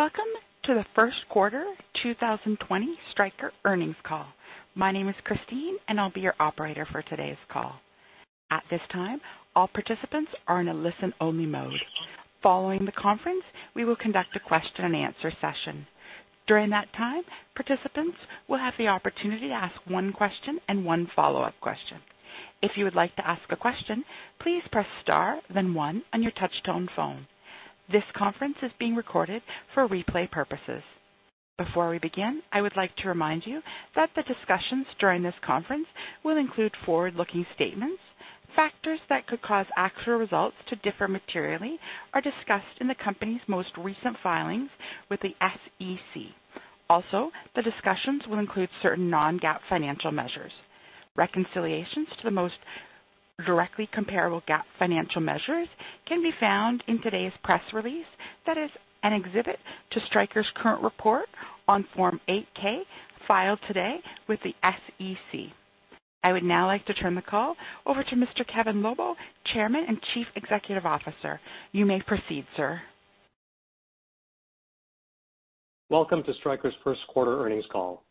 Welcome to the Q1 2020 Stryker earnings call. My name is Christine. I'll be your operator for today's call. At this time, all participants are in a listen-only mode. Following the conference, we will conduct a question and answer session. During that time, participants will have the opportunity to ask one question and one follow-up question. If you would like to ask a question, please press star then one on your touch-tone phone. This conference is being recorded for replay purposes. Before we begin, I would like to remind you that the discussions during this conference will include forward-looking statements. Factors that could cause actual results to differ materially are discussed in the company's most recent filings with the SEC also the discussions will include certain non-GAAP financial measures. Reconciliations to the most directly comparable GAAP financial measures can be found in today's press release that is an exhibit to Stryker's current report on Form 8-K filed today with the SEC. I would now like to turn the call over to Mr. Kevin Lobo, Chairman and Chief Executive Officer. You may proceed, sir. Welcome to Stryker's Q1 earnings call.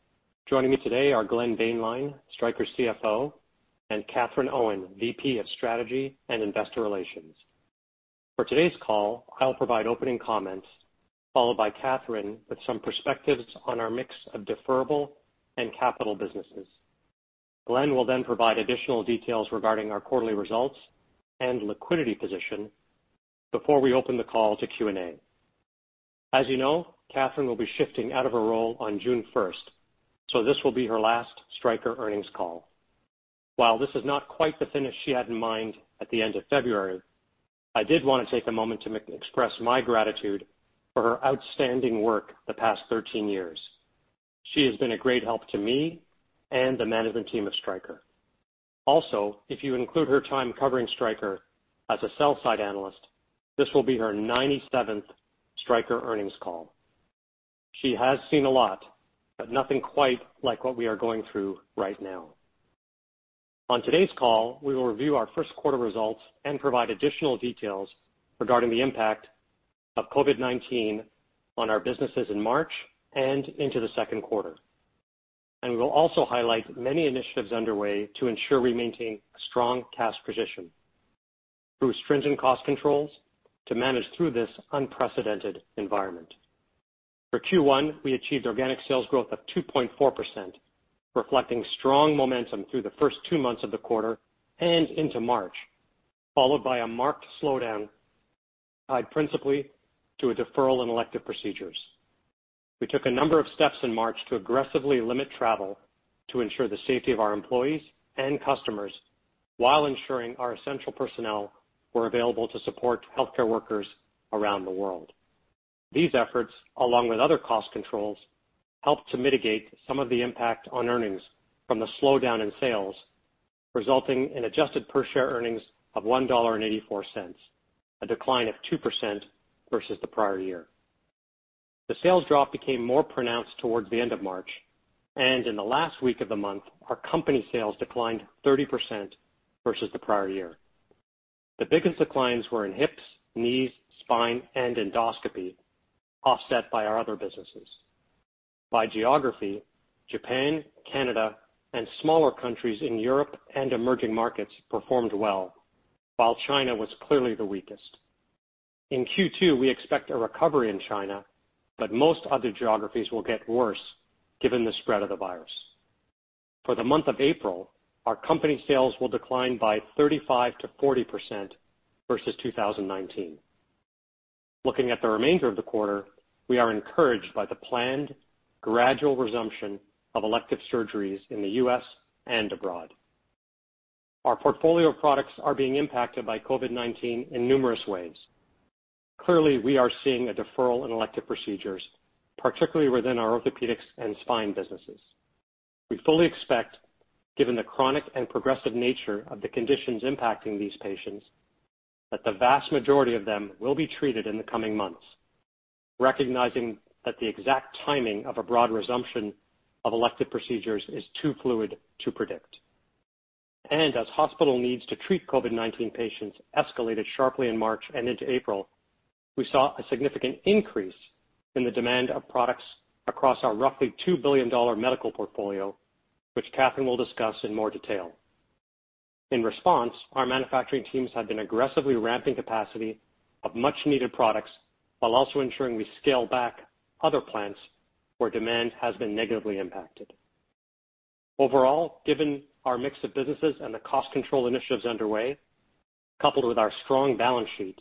Joining me today are Glenn Boehnlein, Stryker CFO, and Katherine Owen, VP of Strategy and Investor Relations. For today's call, I'll provide opening comments, followed by Katherine with some perspectives on our mix of deferrable and capital businesses. Glenn will then provide additional details regarding our quarterly results and liquidity position before we open the call to Q&A. As you know, Katherine will be shifting out of her role on 1 June. This will be her last Stryker earnings call. While this is not quite the finish she had in mind at the end of February, I did want to take a moment to express my gratitude for her outstanding work the past 13 years. She has been a great help to me and the management team of Stryker. Also, If you include her time covering Stryker as a sell-side analyst, this will be her 97th Stryker earnings call. She has seen a lot, nothing quite like what we are going through right now. On today's call, we will review our Q1 results and provide additional details regarding the impact of COVID-19 on our businesses in March and into the Q2. We will also highlight many initiatives underway to ensure we maintain a strong cash position through stringent cost controls to manage through this unprecedented environment. For Q1, we achieved organic sales growth of 2.4%, reflecting strong momentum through the first two months of the quarter and into March, followed by a marked slowdown tied principally to a deferral in elective procedures. We took a number of steps in March to aggressively limit travel to ensure the safety of our employees and customers while ensuring our essential personnel were available to support healthcare workers around the world. These efforts, along with other cost controls, helped to mitigate some of the impact on earnings from the slowdown in sales, resulting in adjusted per share earnings of $1.84, a decline of 2% versus the prior year. In the last week of the month, our company sales declined 30% versus the prior year. The biggest declines were in hips, knees, Spine, and endoscopy, offset by our other businesses. By geography, Japan, Canada, and smaller countries in Europe and emerging markets performed well, while China was clearly the weakest. In Q2, we expect a recovery in China, but most other geographies will get worse given the spread of the virus. For the month of April, our company sales will decline by 35%-40% versus 2019. Looking at the remainder of the quarter, we are encouraged by the planned, gradual resumption of elective surgeries in the U.S. and abroad. Our portfolio of products are being impacted by COVID-19 in numerous ways. Clearly, we are seeing a deferral in elective procedures, particularly within our Orthopaedics and Spine businesses. We fully expect, given the chronic and progressive nature of the conditions impacting these patients, that the vast majority of them will be treated in the coming months, recognizing that the exact timing of a broad resumption of elective procedures is too fluid to predict. As hospital needs to treat COVID-19 patients escalated sharply in March and into April, we saw a significant increase in the demand of products across our roughly $2 billion medical portfolio, which Katherine will discuss in more detail. In response, our manufacturing teams have been aggressively ramping capacity of much-needed products while also ensuring we scale back other plants where demand has been negatively impacted. Overall, given our mix of businesses and the cost control initiatives underway, coupled with our strong balance sheet,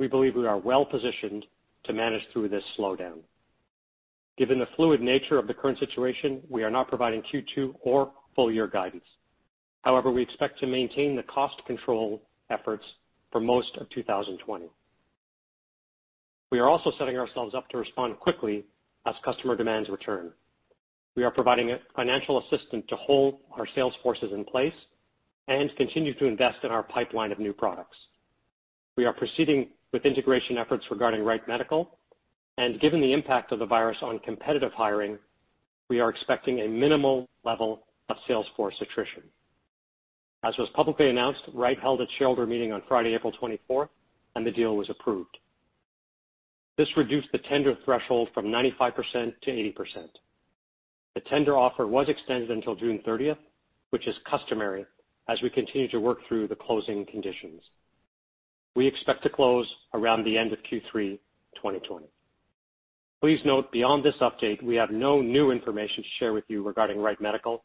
we believe we are well positioned to manage through this slowdown. Given the fluid nature of the current situation, we are not providing Q2 or full year guidance. However, we expect to maintain the cost control efforts for most of 2020. We are also setting ourselves up to respond quickly as customer demands return. We are providing financial assistance to hold our sales forces in place and continue to invest in our pipeline of new products. We are proceeding with integration efforts regarding Wright Medical, and given the impact of the virus on competitive hiring, we are expecting a minimal level of sales force attrition. As was publicly announced, Wright held its shareholder meeting on Friday 24 April, and the deal was approved. This reduced the tender threshold from 95%-80%. The tender offer was extended until 30 June, which is customary, as we continue to work through the closing conditions. We expect to close around the end of Q3 2020. Please note, beyond this update, we have no new information to share with you regarding Wright Medical,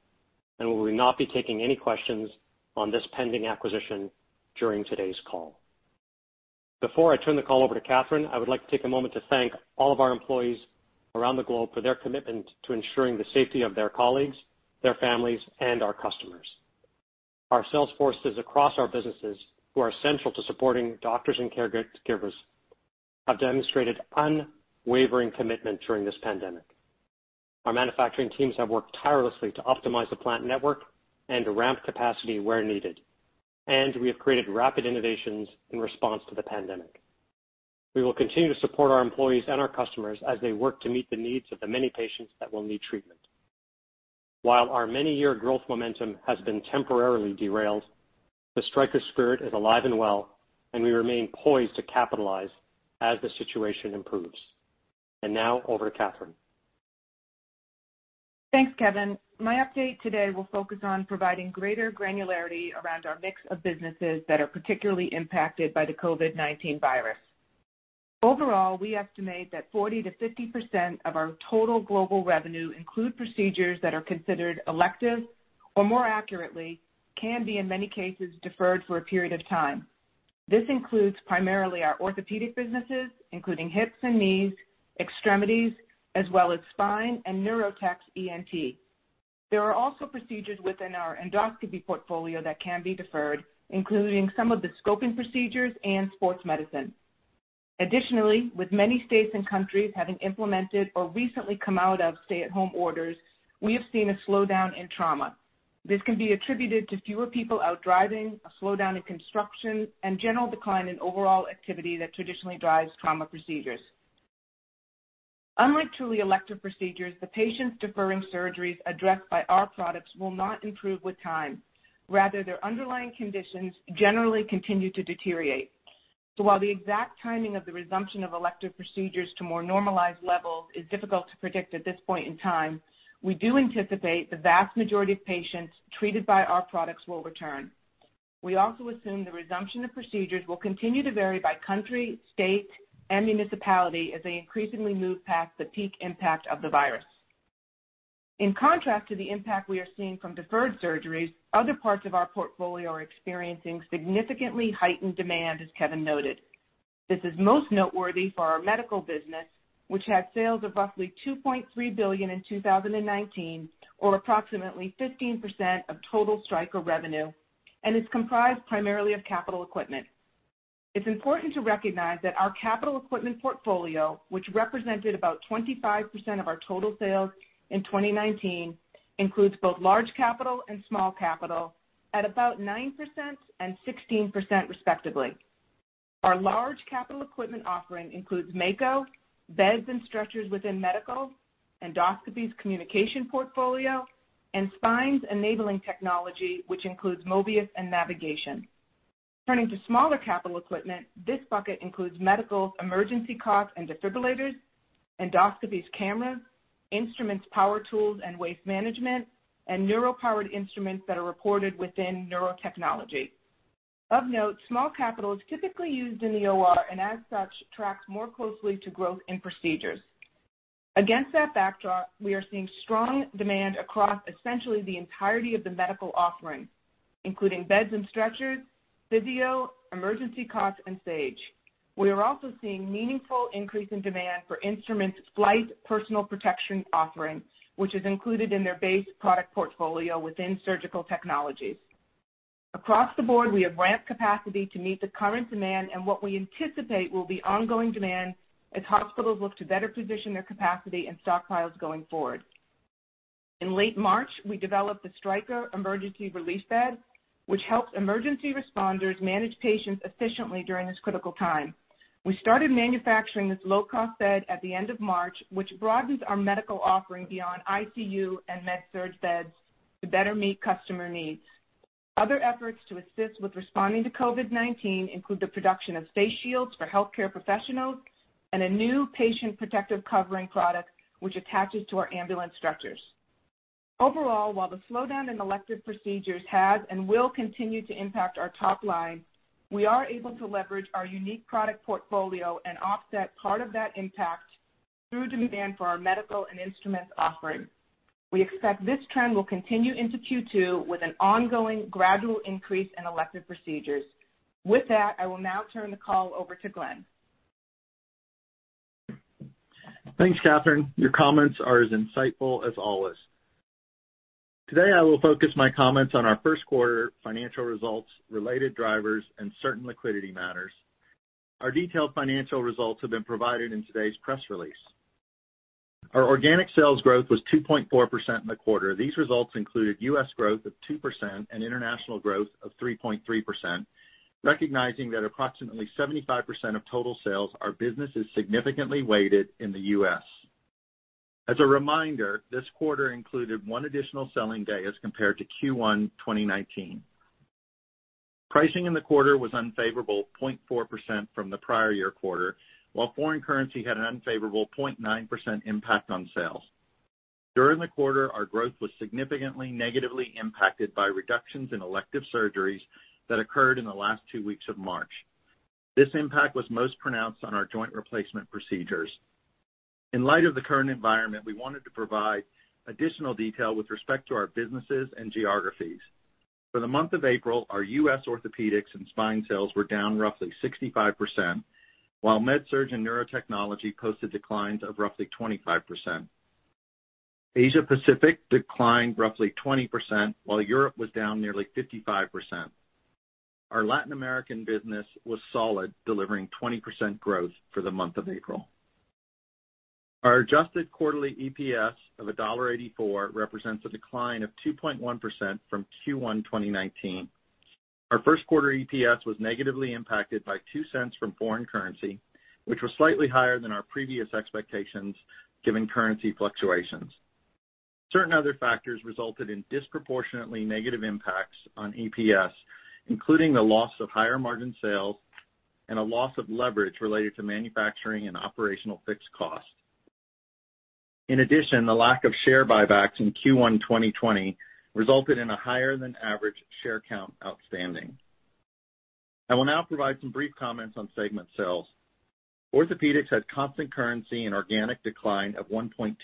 and we will not be taking any questions on this pending acquisition during today's call. Before I turn the call over to Katherine, I would like to take a moment to thank all of our employees around the globe for their commitment to ensuring the safety of their colleagues, their families, and our customers. Our sales forces across our businesses, who are essential to supporting doctors and caregivers, have demonstrated unwavering commitment during this pandemic. Our manufacturing teams have worked tirelessly to optimize the plant network and to ramp capacity where needed. And we have created rapid innovations in response to the pandemic. We will continue to support our employees and our customers as they work to meet the needs of the many patients that will need treatment. While our many-year growth momentum has been temporarily derailed, the Stryker spirit is alive and well. And we remain poised to capitalize as the situation improves. Now, over to Katherine. Thanks, Kevin. My update today will focus on providing greater granularity around our mix of businesses that are particularly impacted by the COVID-19 virus. Overall, we estimate that 40%-50% of our total global revenue include procedures that are considered elective or, more accurately, can be, in many cases, deferred for a period of time. This includes primarily our orthopedic businesses, including hips and knees, extremities, as well as Spine and Neurotech's ENT. There are also procedures within our endoscopy portfolio that can be deferred, including some of the scoping procedures and sports medicine. Additionally, with many states and countries having implemented or recently come out of stay-at-home orders, we have seen a slowdown in trauma. This can be attributed to fewer people out driving, a slowdown in construction, and general decline in overall activity that traditionally drives trauma procedures. Unlike truly elective procedures, the patients deferring surgeries addressed by our products will not improve with time. Rather, their underlying conditions generally continue to deteriorate. While the exact timing of the resumption of elective procedures to more normalized levels is difficult to predict at this point in time, we do anticipate the vast majority of patients treated by our products will return. We also assume the resumption of procedures will continue to vary by country, state, and municipality as they increasingly move past the peak impact of the virus. In contrast to the impact we are seeing from deferred surgeries, other parts of our portfolio are experiencing significantly heightened demand, as Kevin noted. This is most noteworthy for our medical business, which had sales of roughly $2.3 billion in 2019 or approximately 15% of total Stryker revenue and is comprised primarily of capital equipment. It's important to recognize that our capital equipment portfolio, which represented about 25% of our total sales in 2019, includes both large capital and small capital at about 9% and 16%, respectively. Our large capital equipment offering includes Mako, beds and structures within medical, Endoscopy's communication portfolio, and Spine's enabling technology, which includes Mobius and Navigation. Turning to smaller capital equipment, this bucket includes medical's emergency cots and defibrillators, Endoscopy's cameras, Instruments Power Tools and Waste Management, and Neuro-powered instruments that are reported within Neurotechnology. Of note, small capital is typically used in the OR, and as such, tracks more closely to growth in procedures. Against that backdrop, we are seeing strong demand across essentially the entirety of the medical offering, including Beds and Structures, Physio, Emergency Cots, and Sage. We are also seeing meaningful increase in demand for instruments' Flyte personal protection offering, which is included in their base product portfolio within Surgical Technologies. Across the board, we have ramped capacity to meet the current demand and what we anticipate will be ongoing demand as hospitals look to better position their capacity and stockpiles going forward. In late March, we developed the Stryker Emergency Relief Bed, which helps emergency responders manage patients efficiently during this critical time. We started manufacturing this low-cost bed at the end of March, which broadens our medical offering beyond ICU and MedSurg beds to better meet customer needs. Other efforts to assist with responding to COVID-19 include the production of face shields for healthcare professionals and a new patient protective covering product, which attaches to our ambulance structures. Overall, while the slowdown in elective procedures has and will continue to impact our top line, we are able to leverage our unique product portfolio and offset part of that impact through demand for our medical and instruments offerings. We expect this trend will continue into Q2 with an ongoing gradual increase in elective procedures. With that, I will now turn the call over to Glenn. Thanks, Katherine. Your comments are as insightful as always. Today, I will focus my comments on our Q1 financial results, related drivers, and certain liquidity matters. Our detailed financial results have been provided in today's press release. Our organic sales growth was 2.4% in the quarter these results included U.S. growth of 2% and international growth of 3.3%, recognizing that approximately 75% of total sales are businesses significantly weighted in the U.S. As a reminder, this quarter included one additional selling day as compared to Q1 2019. Pricing in the quarter was unfavorable 0.4% from the prior year quarter, while foreign currency had an unfavorable 0.9% impact on sales. During the quarter, our growth was significantly negatively impacted by reductions in elective surgeries that occurred in the last two weeks of March. This impact was most pronounced on our joint replacement procedures. In light of the current environment, we wanted to provide additional detail with respect to our businesses and geographies. For the month of April, our U.S. Orthopaedics and Spine sales were down roughly 65%, while MedSurg and Neurotechnology posted declines of roughly 25%. Asia-Pacific declined roughly 20%, while Europe was down nearly 55%. Our Latin American business was solid, delivering 20% growth for the month of April. Our adjusted quarterly EPS of $1.84 represents a decline of 2.1% from Q1 2019. Our Q1 EPS was negatively impacted by $0.02 from foreign currency, which was slightly higher than our previous expectations, given currency fluctuations. Certain other factors resulted in disproportionately negative impacts on EPS, including the loss of higher margin sales and a loss of leverage related to manufacturing and operational fixed costs. The lack of share buybacks in Q1 2020 resulted in a higher than average share count outstanding. I will now provide some brief comments on segment sales. Orthopaedics had constant currency and organic decline of 1.2%.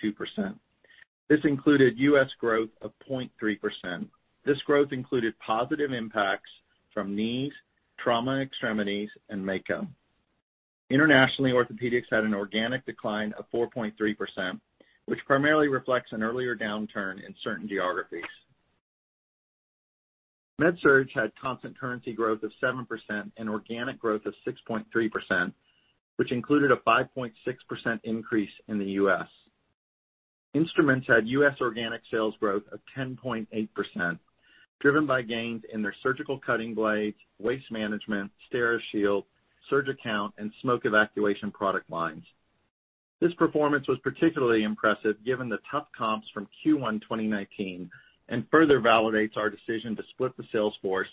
This included U.S. growth of 0.3%. This growth included positive impacts from knees, trauma extremities, and Mako. Internationally, Orthopaedics had an organic decline of 4.3%, which primarily reflects an earlier downturn in certain geographies. MedSurg had constant currency growth of 7% and organic growth of 6.3%, which included a 5.6% increase in the U.S. Instruments had U.S. organic sales growth of 10.8%, driven by gains in their surgical cutting blades, Waste Management, Steri-Shield, SurgiCount, and Smoke Evacuation product lines. This performance was particularly impressive given the tough comps from Q1 2019, further validates our decision to split the sales force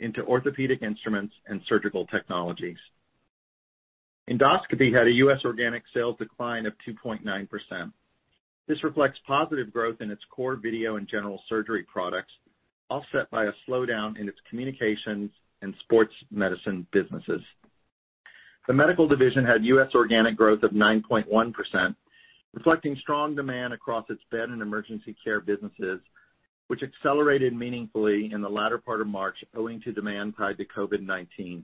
into Orthopedic Instruments and Surgical Technologies. Endoscopy had a U.S. organic sales decline of 2.9%. This reflects positive growth in its core video and general surgery products, offset by a slowdown in its communications and sports medicine businesses. The medical division had U.S. organic growth of 9.1%, reflecting strong demand across its bed and emergency care businesses, which accelerated meaningfully in the latter part of March owing to demand tied to COVID-19.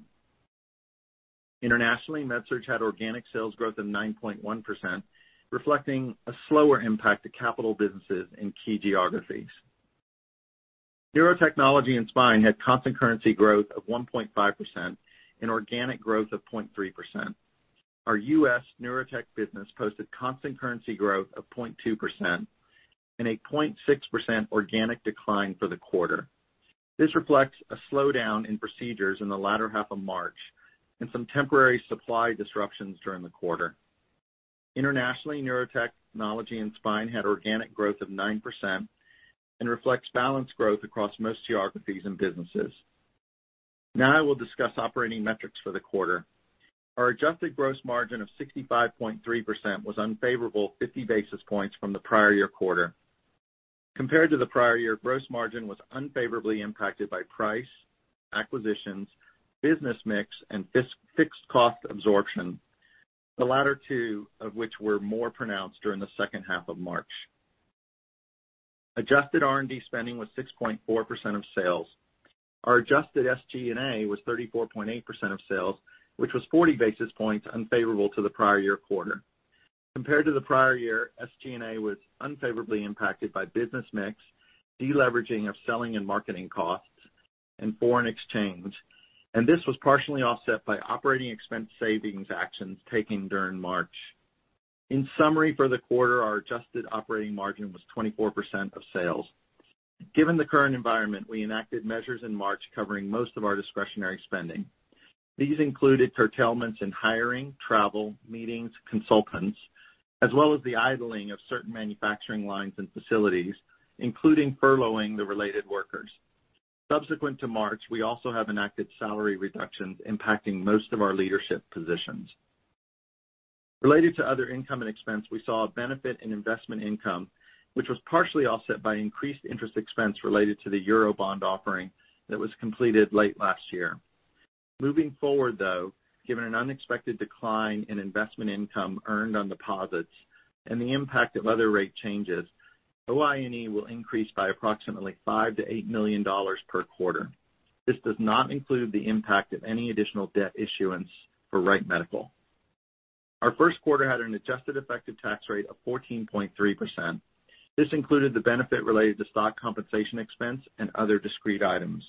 Internationally, MedSurg had organic sales growth of 9.1%, reflecting a slower impact to capital businesses in key geographies. neurotechnology and Spine had constant currency growth of 1.5% and organic growth of 0.3%. Our U.S. Neurotechnology business posted constant currency growth of 0.2% and a 0.6% organic decline for the quarter. This reflects a slowdown in procedures in the latter half of March and some temporary supply disruptions during the quarter. Internationally, neurotechnology and Spine had organic growth of 9% and reflects balanced growth across most geographies and businesses. Now I will discuss operating metrics for the quarter. Our adjusted gross margin of 65.3% was unfavorable 50 basis points from the prior year quarter. Compared to the prior year, gross margin was unfavorably impacted by price, acquisitions, business mix, and fixed cost absorption, the latter two of which were more pronounced during the second half of March. Adjusted R&D spending was 6.4% of sales. Our adjusted SG&A was 34.8% of sales, which was 40 basis points unfavorable to the prior year quarter. Compared to the prior year, SG&A was unfavorably impacted by business mix, deleveraging of selling and marketing costs, and foreign exchange, and this was partially offset by operating expense savings actions taken during March. In summary, for the quarter, our adjusted operating margin was 24% of sales. Given the current environment, we enacted measures in March covering most of our discretionary spending. These included curtailments in hiring, travel, meetings, consultants, as well as the idling of certain manufacturing lines and facilities, including furloughing the related workers. Subsequent to March, we also have enacted salary reductions impacting most of our leadership positions. Related to Other Income & Expense, we saw a benefit in investment income, which was partially offset by increased interest expense related to the euro bond offering that was completed late last year. Moving forward, though, given an unexpected decline in investment income earned on deposits and the impact of other rate changes, OI&E will increase by approximately $5 million-$8 million per quarter. This does not include the impact of any additional debt issuance for Wright Medical. Our Q1 had an adjusted effective tax rate of 14.3%. This included the benefit related to stock compensation expense and other discrete items.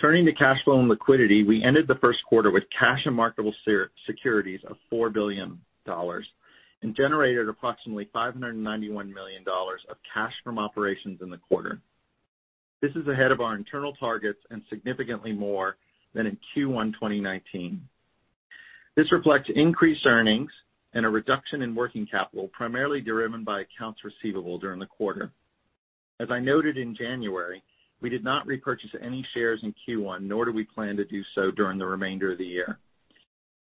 Turning to cash flow and liquidity, we ended the Q1 with cash and marketable securities of $4 billion and generated approximately $591 million of cash from operations in the quarter. This is ahead of our internal targets and significantly more than in Q1 2019. This reflects increased earnings and a reduction in working capital, primarily driven by accounts receivable during the quarter. As I noted in January, we did not repurchase any shares in Q1, nor do we plan to do so during the remainder of the year.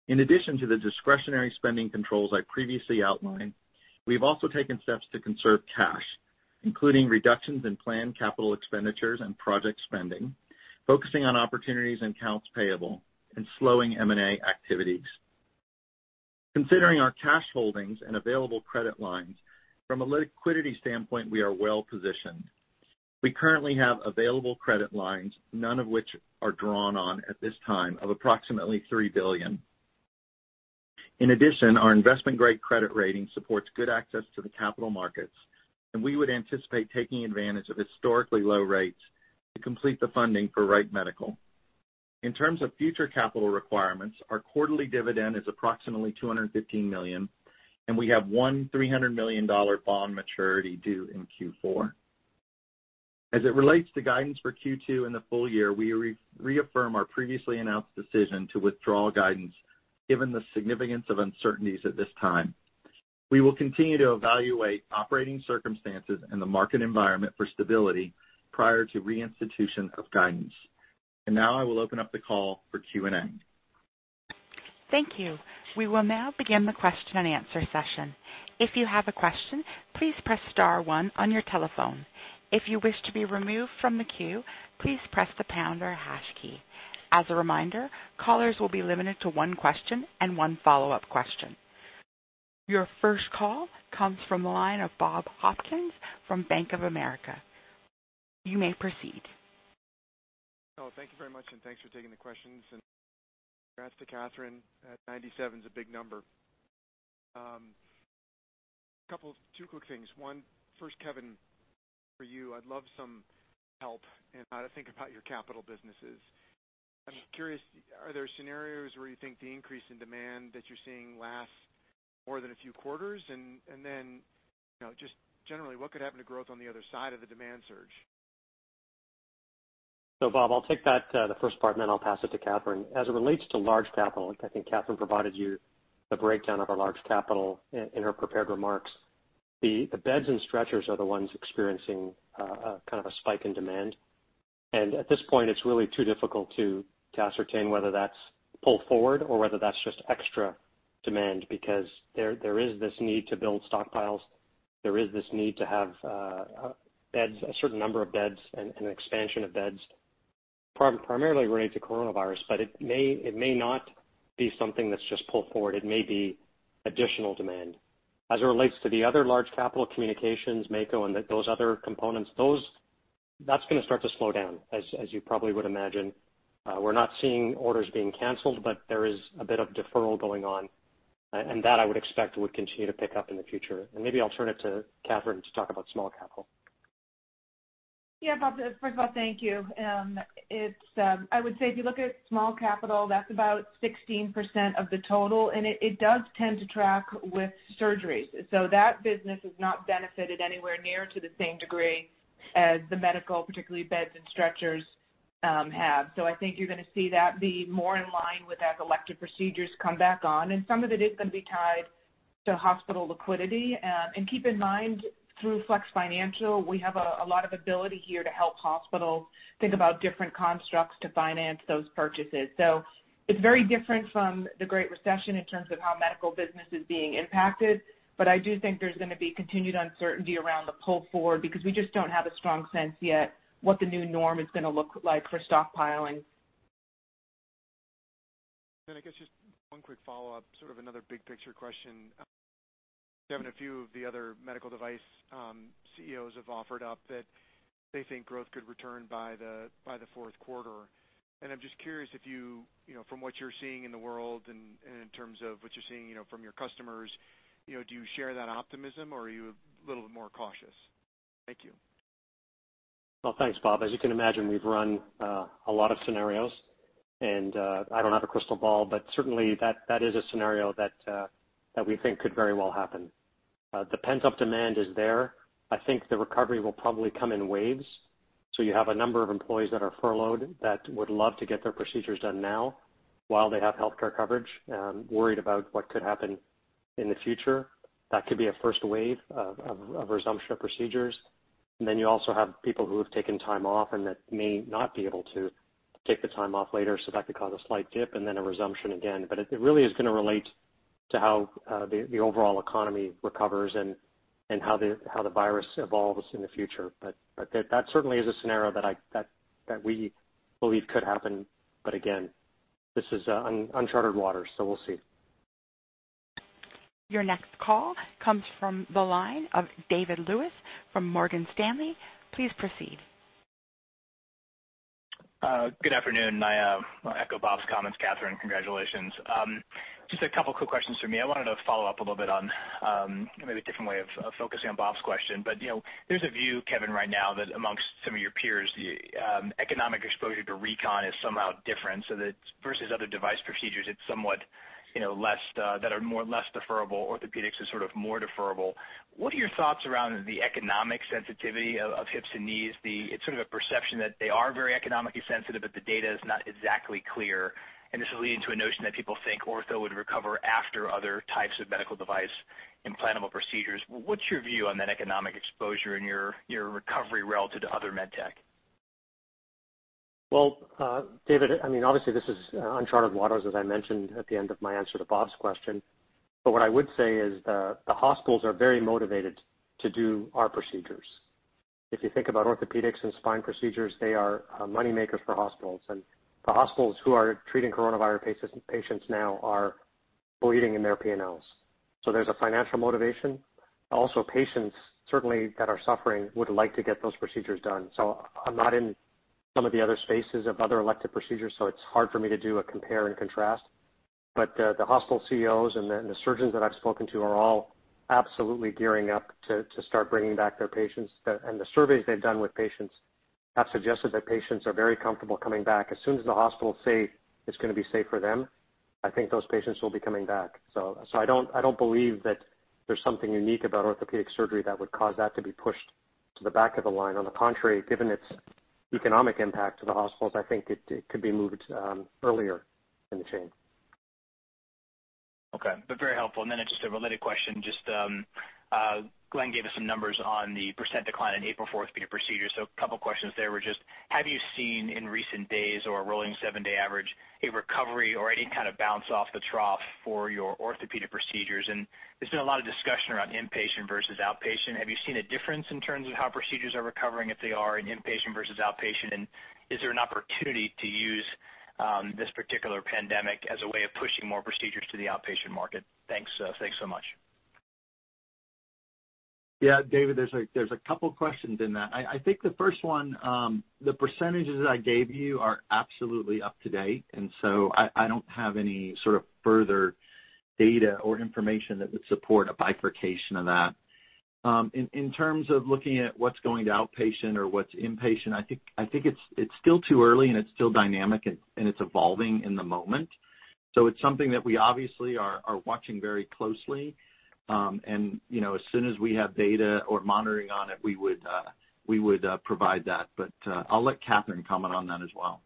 In addition to the discretionary spending controls I previously outlined, we've also taken steps to conserve cash, including reductions in planned capital expenditures and project spending, focusing on opportunities in accounts payable, and slowing M&A activities. Considering our cash holdings and available credit lines, from a liquidity standpoint, we are well-positioned. We currently have available credit lines, none of which are drawn on at this time, of approximately $3 billion. Our investment-grade credit rating supports good access to the capital markets, and we would anticipate taking advantage of historically low rates to complete the funding for Wright Medical. In terms of future capital requirements, our quarterly dividend is approximately $215 million, and we have one $300 million bond maturity due in Q4. As it relates to guidance for Q2 and the full year, we reaffirm our previously announced decision to withdraw guidance, given the significance of uncertainties at this time. We will continue to evaluate operating circumstances and the market environment for stability prior to reinstitution of guidance. I will open up the call for Q&A. Thank you. We will now begin the question and answer session. If you have a question, please press star one on your telephone. If you wish to be removed from the queue, please press the pound or hash key. As a reminder, callers will be limited to one question and one follow-up question. Your first call comes from the line of Bob Hopkins from Bank of America. You may proceed. Thank you very much thanks for taking the questions. Congrats to Katherine. 97's a big number. Two quick things one, first, Kevin, for you, I'd love some help in how to think about your capital businesses. I'm curious, are there scenarios where you think the increase in demand that you're seeing lasts more than a few quarters? Just generally, what could happen to growth on the other side of the demand surge? Bob, I'll take the first part, and then I'll pass it to Katherine as it relates to large capital, I think Katherine provided you the breakdown of our large capital in her prepared remarks. The beds and stretchers are the ones experiencing kind of a spike in demand. At this point, it's really too difficult to ascertain whether that's pull forward or whether that's just extra demand because there is this need to build stockpiles. There is this need to have a certain number of beds and an expansion of beds primarily related to Corona virus, but it may not be something that's just pull forward it may be additional demand. As it relates to the other large capital communications, Mako, and those other components, that's going to start to slow down, as you probably would imagine. We're not seeing orders being canceled, but there is a bit of deferral going on. That I would expect would continue to pick up in the future maybe I'll turn it to Katherine to talk about small capital. Bob, first of all, thank you. I would say if you look at small capital, that's about 16% of the total and it does tend to track with surgeries. That business has not benefited anywhere near to the same degree as the medical, particularly beds and stretchers, have. I think you're going to see that be more in line with as elective procedures come back on, and some of it is going to be tied to hospital liquidity. Keep in mind, through Flex Financial, we have a lot of ability here to help hospitals think about different constructs to finance those purchases. It's very different from the great recession in terms of how medical business is being impacted. I do think there's going to be continued uncertainty around the pull forward because we just don't have a strong sense yet what the new norm is going to look like for stockpiling. I guess just one quick follow-up, sort of another big-picture question. Kevin, a few of the other medical device CEOs have offered up that they think growth could return by the Q4, and I'm just curious if you, from what you're seeing in the world and in terms of what you're seeing from your customers, do you share that optimism? or are you a little bit more cautious? Thank you. Well, thanks, Bob as you can imagine, we've run a lot of scenarios, and I don't have a crystal ball, but certainly that is a scenario that we think could very well happen. The pent-up demand is there. I think the recovery will probably come in waves. You have a number of employees that are furloughed that would love to get their procedures done now while they have healthcare coverage, worried about what could happen in the future. That could be a first wave of resumption of procedures. You also have people who have taken time off and that may not be able to take the time off later, so that could cause a slight dip and then a resumption again it really is going to relate to how the overall economy recovers and how the virus evolves in the future. That certainly is a scenario that we believe could happen. But again, this is uncharted waters, so we'll see. Your next call comes from the line of David Lewis from Morgan Stanley. Please proceed. Good afternoon. I echo Bob's comments Katherine, congratulations. Just a couple of quick questions from me i wanted to follow up a little bit on maybe a different way of focusing on Bob's question. There's a view, Kevin, right now that amongst some of your peers, the economic exposure to recon is somehow different, so that versus other device procedures, it's somewhat less, that are more or less deferrable Orthopedics is sort of more deferrable. What are your thoughts around the economic sensitivity of hips and knees? It's sort of a perception that they are very economically sensitive, but the data is not exactly clear, and this is leading to a notion that people think ortho would recover after other types of medical device implantable procedures. What's your view on that economic exposure and your recovery relative to other med tech? Well, David, obviously this is uncharted waters, as I mentioned at the end of my answer to Bob's question. What I would say is that the hospitals are very motivated to do our procedures. If you think about Orthopaedics and Spine procedures, they are money makers for hospitals. The hospitals who are treating COVID-19 patients now are bleeding in their P&Ls. There's a financial motivation. Patients certainly that are suffering would like to get those procedures done. I'm not in some of the other spaces of other elective procedures, it's hard for me to do a compare and contrast. The hospital CEOs and the surgeons that I've spoken to are all absolutely gearing up to start bringing back their patients. The surveys they've done with patients have suggested that patients are very comfortable coming back as soon as the hospitals say it's going to be safe for them, I think those patients will be coming back. I don't believe that there's something unique about orthopedic surgery that would cause that to be pushed to the back of the line on the contrary, given its economic impact to the hospitals, I think it could be moved earlier in the chain. Okay. Very helpful just a related question, Glenn gave us some numbers on the percent decline in April for orthopedic procedures a couple of questions there were just, have you seen in recent days? or a rolling seven-day average? a recovery or any kind of bounce off the trough for your orthopedic procedures? There's been a lot of discussion around inpatient versus outpatient have you seen a difference in terms of how procedures are recovering, if they are, in inpatient versus outpatient? Is there an opportunity to use this particular pandemic as a way of pushing more procedures to the outpatient market? Thanks so much. Yeah, David, there's a couple of questions in that. I think the first one, the percentages that I gave you are absolutely up to date, and so I don't have any sort of further data or information that would support a bifurcation of that. In terms of looking at what's going to outpatient or what's inpatient, I think it's still too early and it's still dynamic and it's evolving in the moment. It's something that we obviously are watching very closely. As soon as we have data or monitoring on it, we would provide that. I'll let Katherine comment on that as well.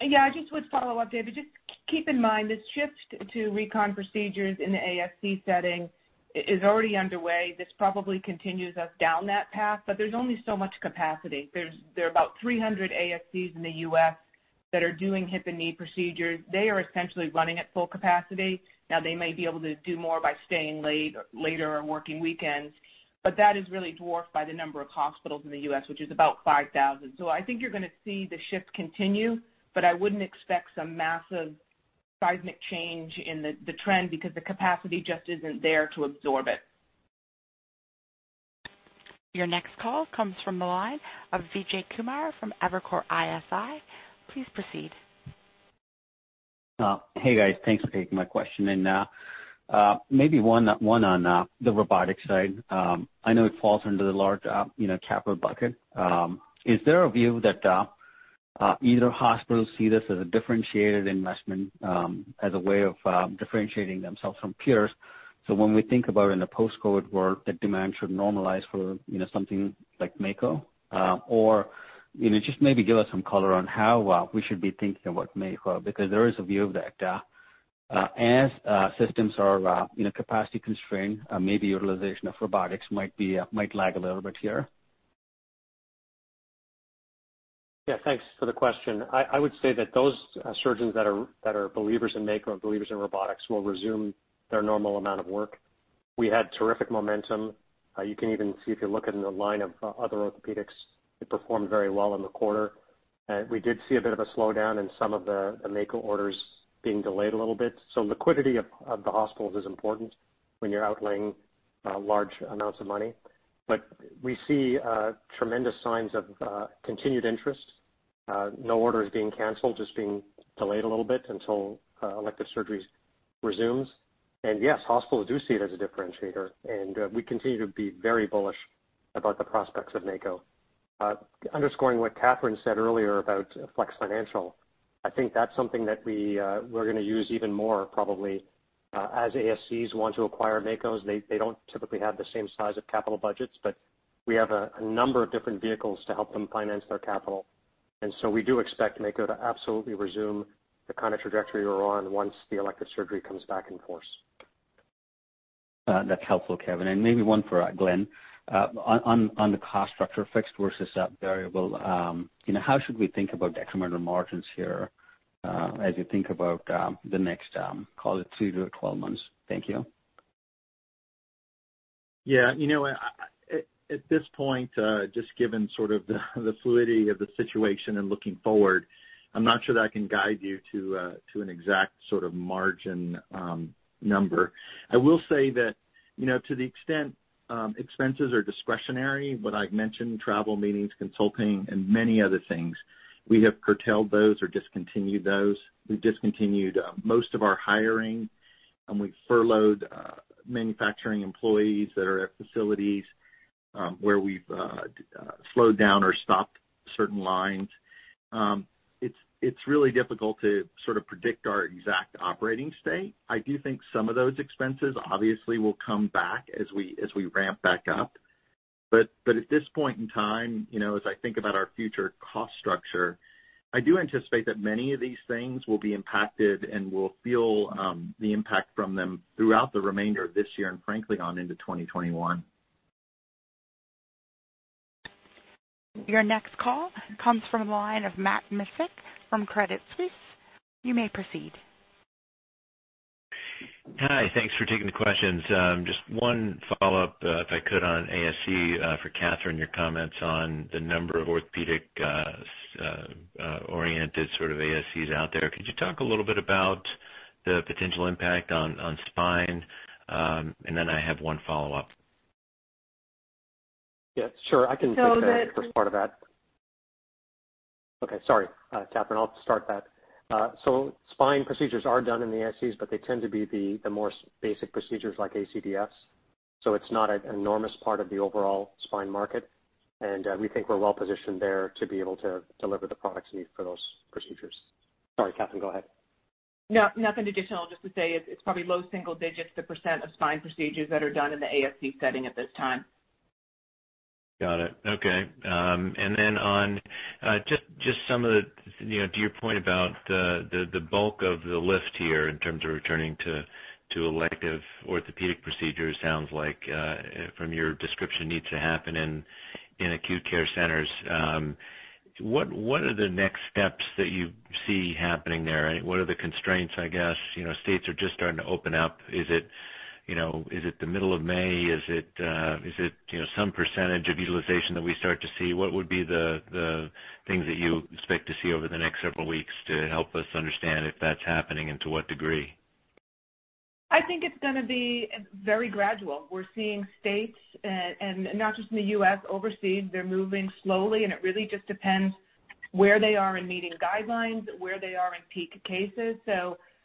Yeah, I just would follow up, David. Just keep in mind, this shift to recon procedures in the ASC setting is already underway. This probably continues us down that path, there's only so much capacity. There are about 300 ASCs in the U.S. that are doing hip and knee procedures. They are essentially running at full capacity. Now, they may be able to do more by staying later or working weekends. That is really dwarfed by the number of hospitals in the U.S., which is about 5,000 so i think you're going to see the shift continue, but I wouldn't expect some massive seismic change in the trend because the capacity just isn't there to absorb it. Your next call comes from the line of Vijay Kumar from Evercore ISI. Please proceed. Hey, guys thanks for taking my question. Maybe one on the robotics side. I know it falls under the large capital bucket. Is there a view that either hospitals see this as a differentiated investment as a way of differentiating themselves from peers? When we think about in a post-COVID-19 world, that demand should normalize for something like Mako. Just maybe give us some color on how we should be thinking about Mako, because there is a view that as systems are capacity constrained, maybe utilization of robotics might lag a little bit here. Yeah, thanks for the question. I would say that those surgeons that are believers in Mako and believers in robotics will resume their normal amount of work. We had terrific momentum. You can even see if you look in the line of other Orthopaedics, it performed very well in the quarter. We did see a bit of a slowdown in some of the Mako orders being delayed a little bit so liquidity of the hospitals is important when you're outlaying large amounts of money, but we see tremendous signs of continued interest. No order is being canceled, just being delayed a little bit until elective surgeries resumes. Yes, hospitals do see it as a differentiator, and we continue to be very bullish about the prospects of Mako. Underscoring what Katherine said earlier about Flex Financial, I think that's something that we're going to use even more probably. As ASCs want to acquire Makos, they don't typically have the same size of capital budgets, but we have a number of different vehicles to help them finance their capital. We do expect Mako to absolutely resume the kind of trajectory we're on once the elective surgery comes back in force. That's helpful, Kevin maybe one for Glenn. On the cost structure, fixed versus variable, how should we think about incremental margins here as you think about the next, call it, two to 12 months? Thank you. Yeah. At this point, just given sort of the fluidity of the situation and looking forward, I'm not sure that I can guide you to an exact sort of margin number. I will say that. To the extent expenses are discretionary, what I've mentioned, travel, meetings, consulting, and many other things, we have curtailed those or discontinued those, we've discontinued most of our hiring- -and we've furloughed manufacturing employees that are at facilities, where we've slowed down or stopped certain lines. It's really difficult to sort of predict our exact operating state. I do think some of those expenses obviously will come back as we ramp back up. At this point in time, as I think about our future cost structure, I do anticipate that many of these things will be impacted, and we'll feel the impact from them throughout the remainder of this year and frankly, on into 2021. Your next call comes from the line of Matt Miksic from Credit Suisse. You may proceed. Hi. Thanks for taking the questions. Just one follow-up, if I could, on ASC for Katherine, your comments on the number of orthopedic-oriented sort of ASCs out there could you talk a little bit about the potential impact on Spine? I have one follow-up. Yeah, sure. So the- -take the first part of that. Okay, sorry. Katherine, I'll start that. Spine procedures are done in the ASCs, but they tend to be the more basic procedures like ACDFs, so it's not an enormous part of the overall Spine market. We think we're well-positioned there to be able to deliver the products needed for those procedures. Sorry, Katherine, go ahead. No, nothing additional. Just to say it's probably low single digits, the percent of Spine procedures that are done in the ASC setting at this time. Got it. Okay. Then to your point about the bulk of the lift here in terms of returning to elective orthopedic procedures sounds like, from your description, needs to happen in acute care centers. What are the next steps that you see happening there? What are the constraints, I guess? States are just starting to open up. Is it the middle of May? Is it some percentage of utilization that we start to see? What would be the things that you expect to see over the next several weeks to help us understand if that's happening and to what degree? I think it's going to be very gradual we're seeing states, and not just in the U.S., overseas, they're moving slowly, and it really just depends where they are in meeting guidelines, where they are in peak cases.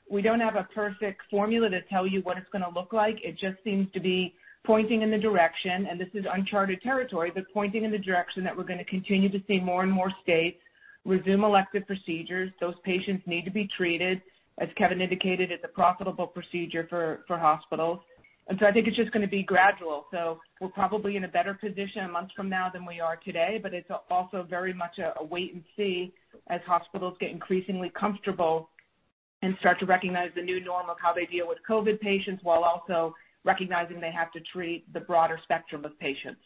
We don't have a perfect formula to tell you what it's going to look like. It just seems to be pointing in the direction, and this is uncharted territory, but pointing in the direction that we're going to continue to see more and more states resume elective procedures those patients need to be treated. As Kevin indicated, it's a profitable procedure for hospitals. I think it's just going to be gradual. We're probably in a better position a month from now than we are today, but it's also very much a wait and see as hospitals get increasingly comfortable and start to recognize the new norm of how they deal with COVID patients while also recognizing they have to treat the broader spectrum of patients.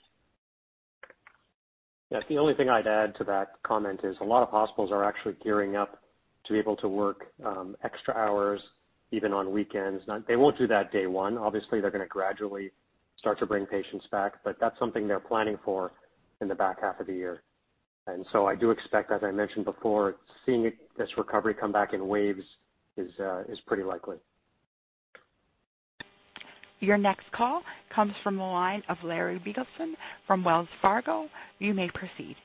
Yes. The only thing I'd add to that comment is a lot of hospitals are actually gearing up to be able to work extra hours, even on weekends they won't do that day one obviously, they're going to gradually start to bring patients back. That's something they're planning for in the back half of the year. I do expect, as I mentioned before, seeing this recovery come back in waves is pretty likely. Your next call comes from the line of Larry Biegelsen from Wells Fargo. You may proceed.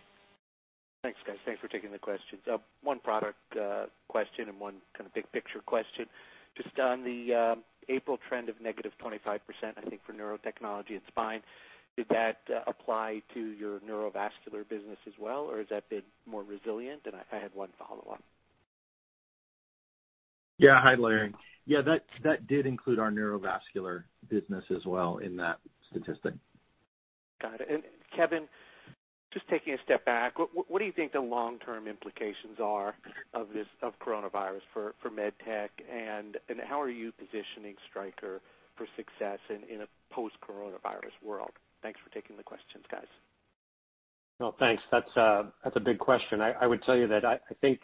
Thanks, guys thanks for taking the questions. One product question and one kind of big picture question. Just on the April trend of -25%, I think, for neurotechnology and Spine, did that apply to your neurovascular business as well, or has that been more resilient? I have one follow-up. Yeah. Hi, Larry. Yeah, that did include our neurovascular business as well in that statistic. Got it. Kevin, just taking a step back, what do you think the long-term implications are of Corona virus for med tech, and how are you positioning Stryker for success in a post-coronavirus world? Thanks for taking the questions, guys. Well, thanks that's a big question i would tell you that I think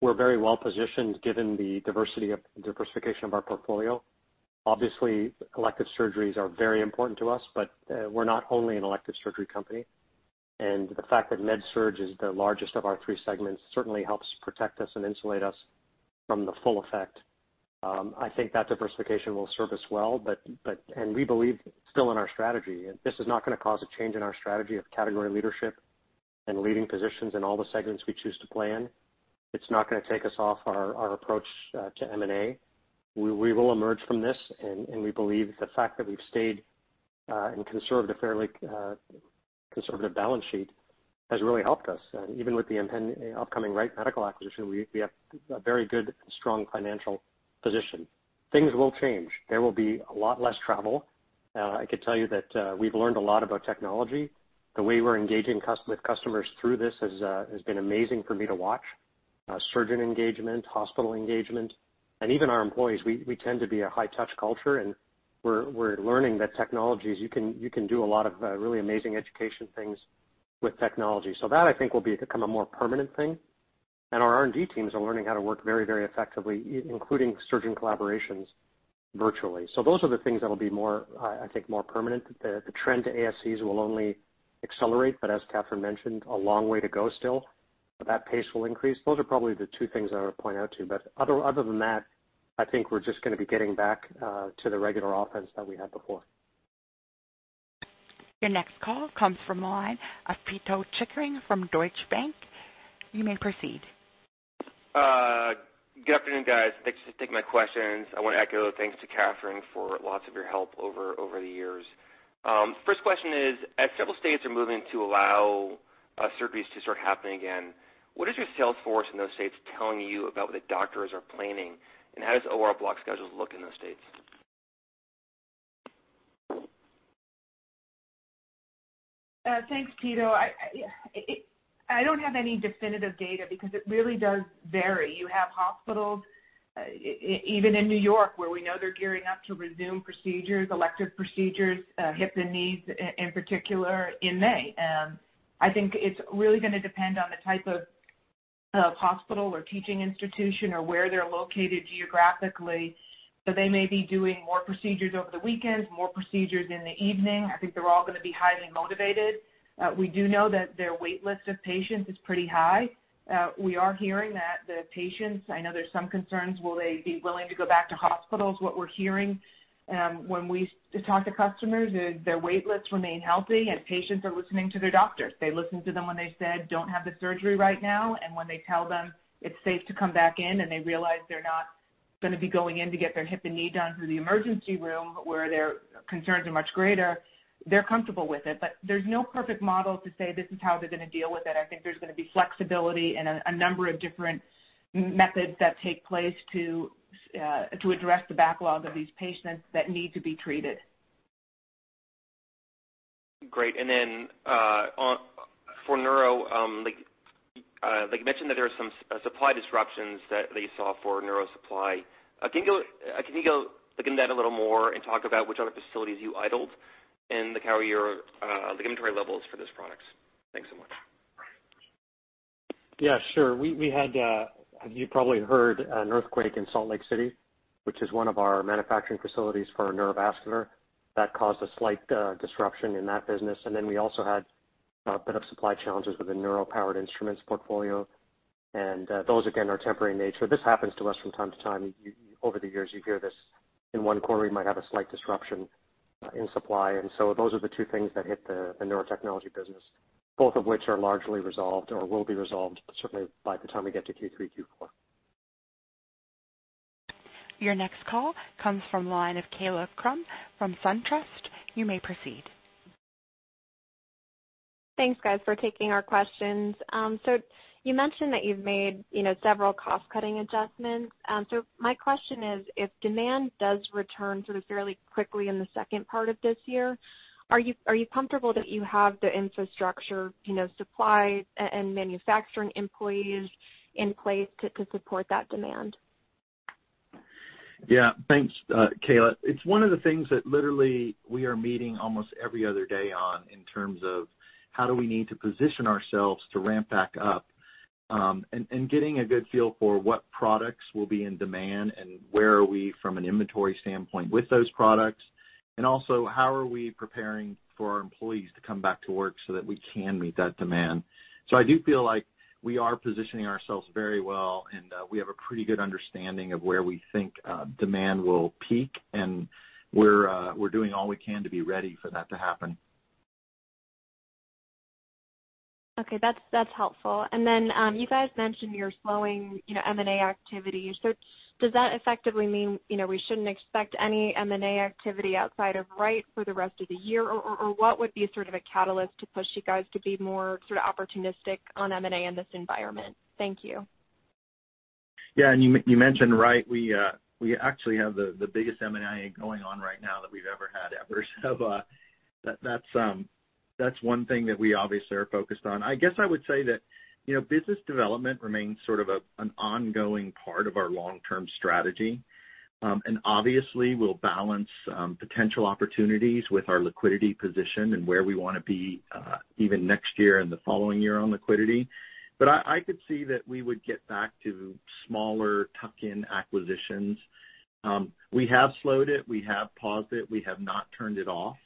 we're very well-positioned given the diversification of our portfolio. Obviously, elective surgeries are very important to us, but we're not only an elective surgery company. The fact that MedSurg is the largest of our three segments certainly helps protect us and insulate us from the full effect. I think that diversification will serve us well, and we believe still in our strategy, this is not going to cause a change in our strategy of category leadership and leading positions in all the segments we choose to play in. It's not going to take us off our approach to M&A. We will emerge from this, and we believe the fact that we've stayed and conserved a fairly conservative balance sheet has really helped us even with the upcoming Wright Medical acquisition, we have a very good, strong financial position. Things will change, there will be a lot less travel. I could tell you that we've learned a lot about technology. The way we're engaging with customers through this has been amazing for me to watch. Surgeon engagement, hospital engagement, and even our employees we tend to be a high touch culture, and we're learning that technologies, you can do a lot of really amazing education things with technology so that I think will become a more permanent thing. Our R&D teams are learning how to work very, very effectively, including surgeon collaborations virtually so those are the things that will be, I think, more permanent. The trend to ASCs will only accelerate, but as Katherine mentioned, a long way to go still. That pace will increase those are probably the two things I would point out to you other than that, I think we're just going to be getting back to the regular offense that we had before. Your next call comes from the line of Pito Chickering from Deutsche Bank. You may proceed. Good afternoon, guys thanks for taking my questions. I want to echo thanks to Katherine for lots of your help over the years. First question is, as several states are moving to allow surgeries to start happening again, what is your sales force in those states telling you about what the doctors are planning? How does OR block schedules look in those states? Thanks, Pito. I don't have any definitive data because it really does vary you have hospitals, even in N.Y., where we know they're gearing up to resume procedures, elective procedures, hips and knees in particular, in May. I think it's really going to depend on the type of hospital or teaching institution or where they're located geographically. They may be doing more procedures over the weekends, more procedures in the evening. I think they're all going to be highly motivated. We do know that their wait list of patients is pretty high. We are hearing that the patients, I know there's some concerns, will they be willing to go back to hospitals? What we're hearing, when we talk to customers, is their wait lists remain healthy and patients are listening to their doctors. They listened to them when they said, "Don't have the surgery right now." When they tell them- -it's safe to come back in and they realize they're not going to be going in to get their hip and knee done through the emergency room, where their concerns are much greater, they're comfortable with it but, there's no perfect model to say this is how they're going to deal with it i think there's going to be flexibility and a number of different methods that take place to address the backlog of these patients that need to be treated. Great. For neuro, you mentioned that there was some supply disruptions that they saw for neuro supply. Can you go into that a little more and talk about which other facilities you idled and look how your inventory levels for those products? Thanks so much. Yeah, sure we had, as you probably heard, an earthquake in Salt Lake City, which is one of our manufacturing facilities for our neurovascular. That caused a slight disruption in that business and we also had a bit of supply challenges with the neural-powered instruments portfolio. Those, again, are temporary in nature this happens to us from time to time, over the years, you hear this. In one quarter, we might have a slight disruption in supply so those are the two things that hit the Neurotechnology business, both of which are largely resolved or will be resolved, certainly by the time we get to Q3, Q4. Your next call comes from the line of Kaila Krum from SunTrust. You may proceed. Thanks, guys, for taking our questions. You mentioned that you've made several cost-cutting adjustments. My question is, if demand does return sort of fairly quickly in the second part of this year?are you comfortable that you have the infrastructure, supplies, and manufacturing employees in place to support that demand? Thanks, Kaila. It's one of the things that literally we are meeting almost every other day on in terms of how do we need to position ourselves to ramp back up, and getting a good feel for what products will be in demand and where are we from an inventory standpoint with those products, and also how are we preparing for our employees to come back to work so that we can meet that demand. I do feel like we are positioning ourselves very well, and we have a pretty good understanding of where we think demand will peak, and we're doing all we can to be ready for that to happen. Okay. That's helpful. Then, you guys mentioned you're slowing M&A activity. Does that effectively mean we shouldn't expect any M&A activity outside of Wright for the rest of the year? What would be sort of a catalyst to push you guys to be more sort of opportunistic on M&A in this environment? Thank you. You mentioned Wright. We actually have the biggest M&A going on right now that we've ever had ever that's one thing that we obviously are focused on i guess I would say that business development remains sort of an ongoing part of our long-term strategy. Obviously, we'll balance potential opportunities with our liquidity position and where we want to be even next year and the following year on liquidity. I could see that we would get back to smaller tuck-in acquisitions. We have slowed it. We have paused it. We have not turned it off.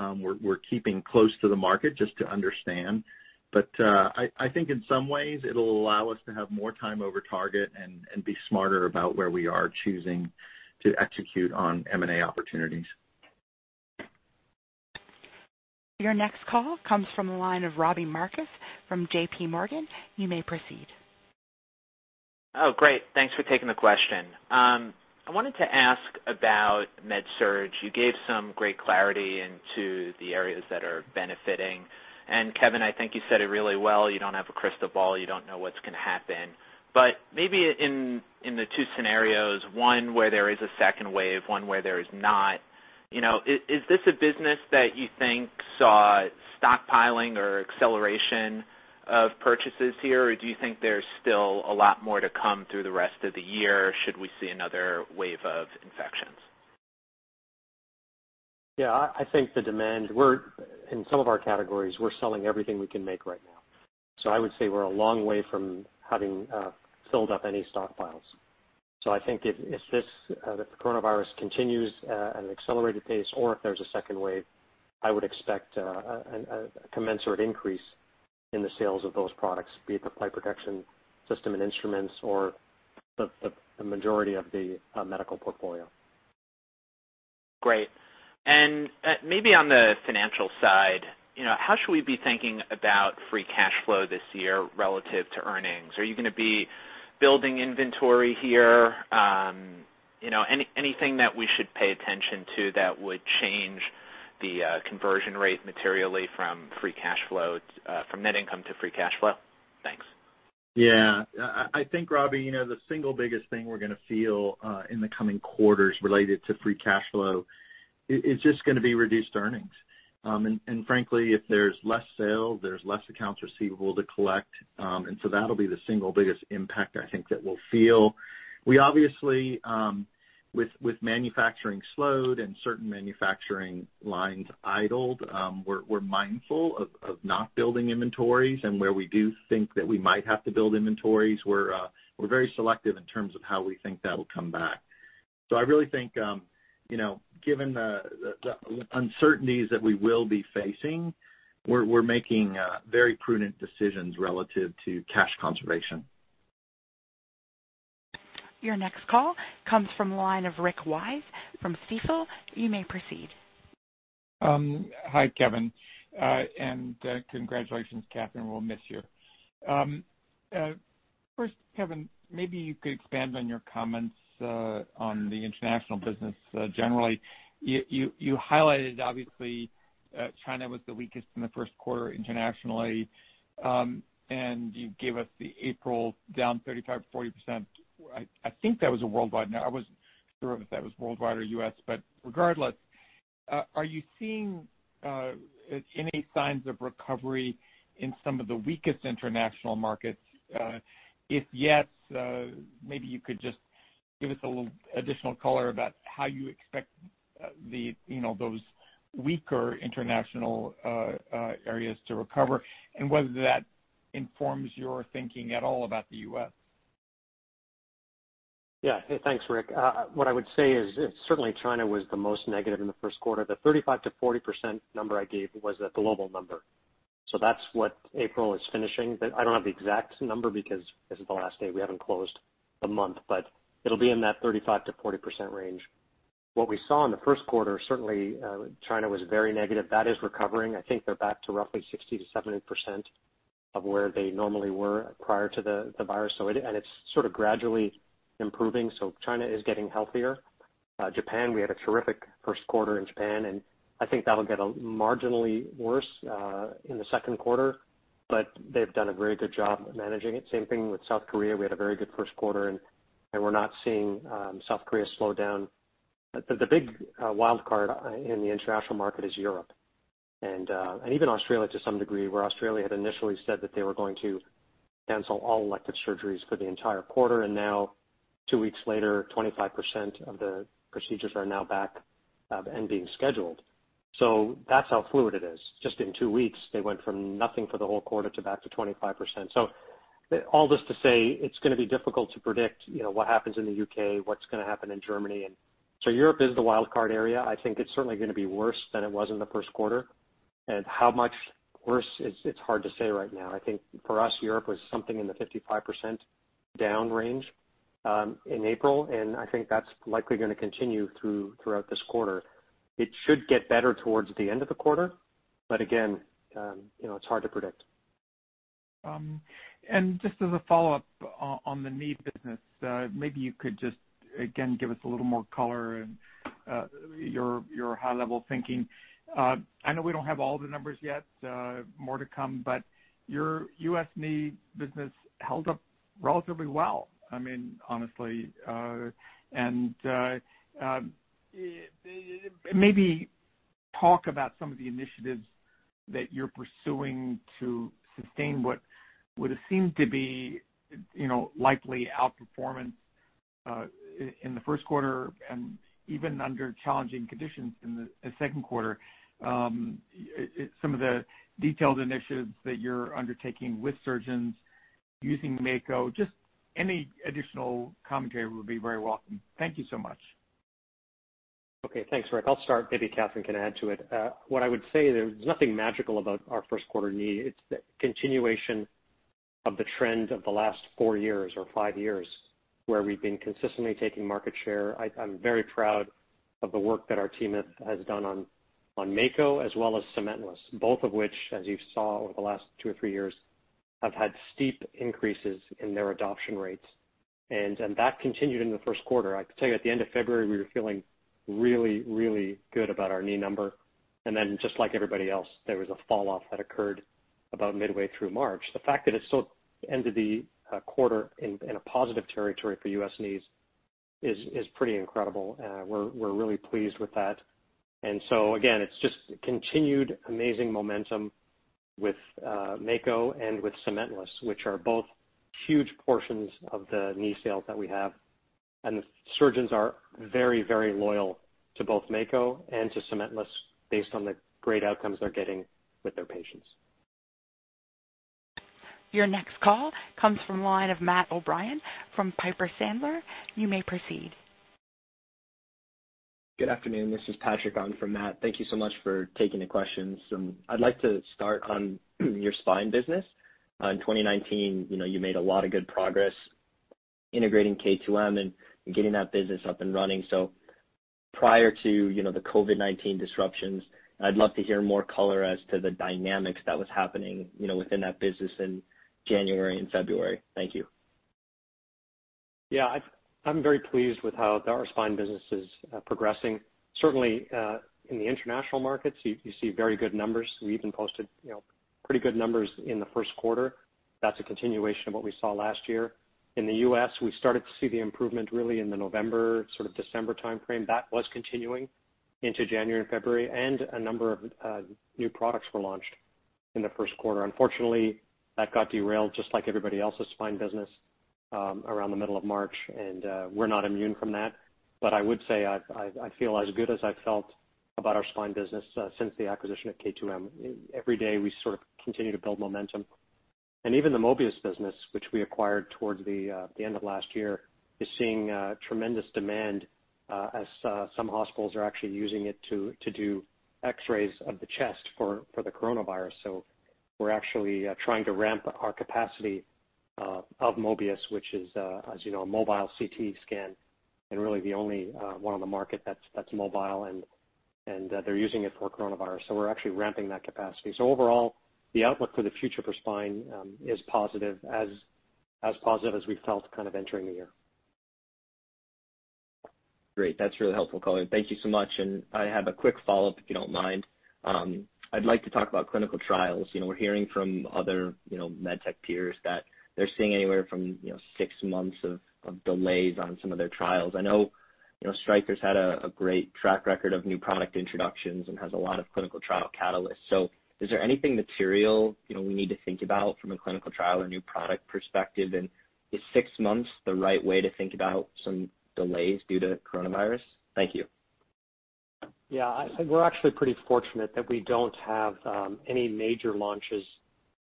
We're keeping close to the market just to understand. I think in some ways, it'll allow us to have more time over target and be smarter about where we are choosing to execute on M&A opportunities. Your next call comes from the line of Robbie Marcus from J.P. Morgan. You may proceed. Oh, great. Thanks for taking the question. I wanted to ask about MedSurg you gave some great clarity into the areas that are benefiting. Kevin, I think you said it really well. You don't have a crystal ball, you don't know what's going to happen but, maybe in the two scenarios, one where there is a second wave, one where there is not, is this a business that you think saw stockpiling or acceleration of purchases here? Do you think there's still a lot more to come through the rest of the year should we see another wave of infections? Yeah, I think the demand, in some of our categories, we're selling everything we can make right now. I would say we're a long way from having filled up any stockpiles. I think if the Corona virus continues at an accelerated pace or if there's a second wave, I would expect a commensurate increase in the sales of those products, be it the Flyte protection system and instruments or the majority of the MedSurg portfolio. Great. Maybe on the financial side, how should we be thinking about free cash flow this year relative to earnings? Are you going to be building inventory here? Anything that we should pay attention to that would change the conversion rate materially from net income to free cash flow? Thanks. Yeah. I think, Robbie, the single biggest thing we're going to feel in the coming quarters related to free cash flow, it's just going to be reduced earnings. Frankly, if there's less sale, there's less accounts receivable to collect. That'll be the single biggest impact I think that we'll feel. We obviously with manufacturing slowed and certain manufacturing lines idled, we're mindful of not building inventories and where we do think that we might have to build inventories, we're very selective in terms of how we think that'll come back. I really think given the uncertainties that we will be facing, we're making very prudent decisions relative to cash conservation. Your next call comes from the line of Rick Wise from Stifel. You may proceed. Hi, Kevin. Congratulations, Katherine we'll miss you. First, Kevin, maybe you could expand on your comments on the international business generally. You highlighted, obviously, China was the weakest in the Q1 internationally. You gave us the April down 35%-40%. I think that was a worldwide now I wasn't sure if that was worldwide or U.S., but regardless, are you seeing any signs of recovery in some of the weakest international markets? If yes, maybe you could just give us a little additional color about how you expect those weaker international areas to recover and whether that informs your thinking at all about the U.S. Thanks, Rick. What I would say is certainly China was the most negative in the Q1 the 35%-40% number I gave was a global number. That's what April is finishing i don't have the exact number because this is the last day we haven't closed the month, but it'll be in that 35%-40% range. What we saw in the Q1, certainly, China was very negative that is recovering. I think they're back to roughly 60%-70% of where they normally were prior to the virus it's sort of gradually improving, so China is getting healthier. Japan, we had a terrific Q1 in Japan, and I think that'll get marginally worse in the Q2, but they've done a very good job of managing it same thing with South Korea we had a very good Q1, and we're not seeing South Korea slow down. The big wildcard in the international market is Europe, and even Australia to some degree, where Australia had initially said that they were going to cancel all elective surgeries for the entire quarter now, two weeks later, 25% of the procedures are now back and being scheduled. That's how fluid it is. Just in two weeks, they went from nothing for the whole quarter to back to 25%. All this to say, it's going to be difficult to predict what happens in the U.K., what's going to happen in Germany. Europe is the wildcard area i think it's certainly going to be worse than it was in the Q1. How much worse, it's hard to say right now i think for us Europe was something in the 55% down range in April, and I think that's likely going to continue throughout this quarter. It should get better towards the end of the quarter, but again, it's hard to predict. Just as a follow-up on the knee business, maybe you could just, again, give us a little more color and your high-level thinking. I know we don't have all the numbers yet, more to come, but your U.S. knee business held up relatively well, I mean, honestly. Maybe talk about some of the initiatives that you're pursuing to sustain what would have seemed to be likely out-performance in the Q1 and even under challenging conditions in the Q2. Some of the detailed initiatives that you're undertaking with surgeons using Mako, just any additional commentary would be very welcome. Thank you so much. Okay. Thanks, Rick i'll start, maybe Katherine can add to it. What I would say, there's nothing magical about our Q1 knee it's the continuation of the trend of the last four years or five years, where we've been consistently taking market share. I'm very proud of the work that our team has done on Mako as well as Cementless, both of which, as you saw over the last two or three years, have had steep increases in their adoption rates. That continued in the Q1. I can tell you at the end of February, we were feeling really good about our knee number. Just like everybody else, there was a fall off that occurred about midway through March the fact that it still ended the quarter in a positive territory for U.S. knees is pretty incredible and we're really pleased with that. Again, it's just continued amazing momentum with Mako and with Cementless, which are both huge portions of the knee sales that we have. The surgeons are very loyal to both Mako and to Cementless based on the great outcomes they're getting with their patients. Your next call comes from the line of Matt O'Brien from Piper Sandler. You may proceed. Good afternoon. This is Patrick on for Matt. Thank you so much for taking the questions. I'd like to start on your Spine business. In 2019, you made a lot of good progress integrating K2M and getting that business up and running. Prior to the COVID-19 disruptions, I'd love to hear more color as to the dynamics that was happening within that business in January and February. Thank you. I'm very pleased with how our Spine business is progressing. Certainly, in the international markets, you see very good numbers. We even posted pretty good numbers in the Q1. That's a continuation of what we saw last year. In the U.S., we started to see the improvement really in the November, December timeframe that was continuing- -into January and February and a number of new products were launched in the Q1 unfortunately, that got derailed just like everybody else's Spine business around the middle of March, and we're not immune from that. I would say, I feel as good as I've felt about our Spine business since the acquisition of K2M. Every day, we sort of continue to build momentum. Even the Mobius, which we acquired towards the end of last year, is seeing tremendous demand as some hospitals are actually using it to do X-rays of the chest for the Corona virus. We're actually trying to ramp our capacity of Mobius, which is, as you know, a mobile CT scan and really the only one on the market that's mobile, and they're using it for Corona virus so we're actually ramping that capacity so overall, the outlook for the future for Spine is as positive as we felt kind of entering the year. Great. That's really helpful color thank you so much. I have a quick follow-up, if you don't mind. I'd like to talk about clinical trials. We're hearing from other medtech peers that they're seeing anywhere from six months of delays on some of their trials i know Stryker's had a great track record of new product introductions and has a lot of clinical trial catalysts. Is there anything material we need to think about from a clinical trial or new product perspective? Is six months the right way to think about some delays due to Corona virus? Thank you. We're actually pretty fortunate that we don't have any major launches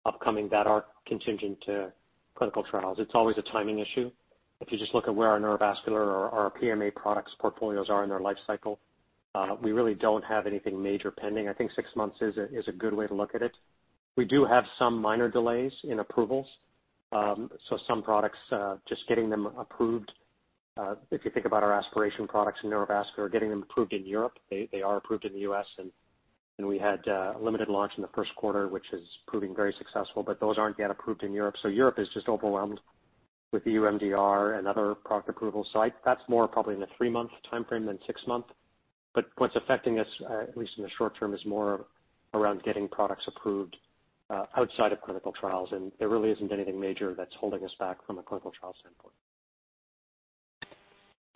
upcoming that are contingent to clinical trials it's always a timing issue. If you just look at where our neurovascular or our PMA products portfolios are in their life cycle, we really don't have anything major pending i think six months is a good way to look at it. We do have some minor delays in approvals. Some products, just getting them approved. If you think about our aspiration products in neurovascular, getting them approved in Europe, they are approved in the U.S., and we had a limited launch in the Q1, which is proving very successful, but those aren't yet approved in Europe, Europe is just overwhelmed with the EU MDR and other product approvals that's more probably in the three-month timeframe than six months. What's affecting us, at least in the short term, is more around getting products approved outside of clinical trials, and there really isn't anything major that's holding us back from a clinical trial standpoint.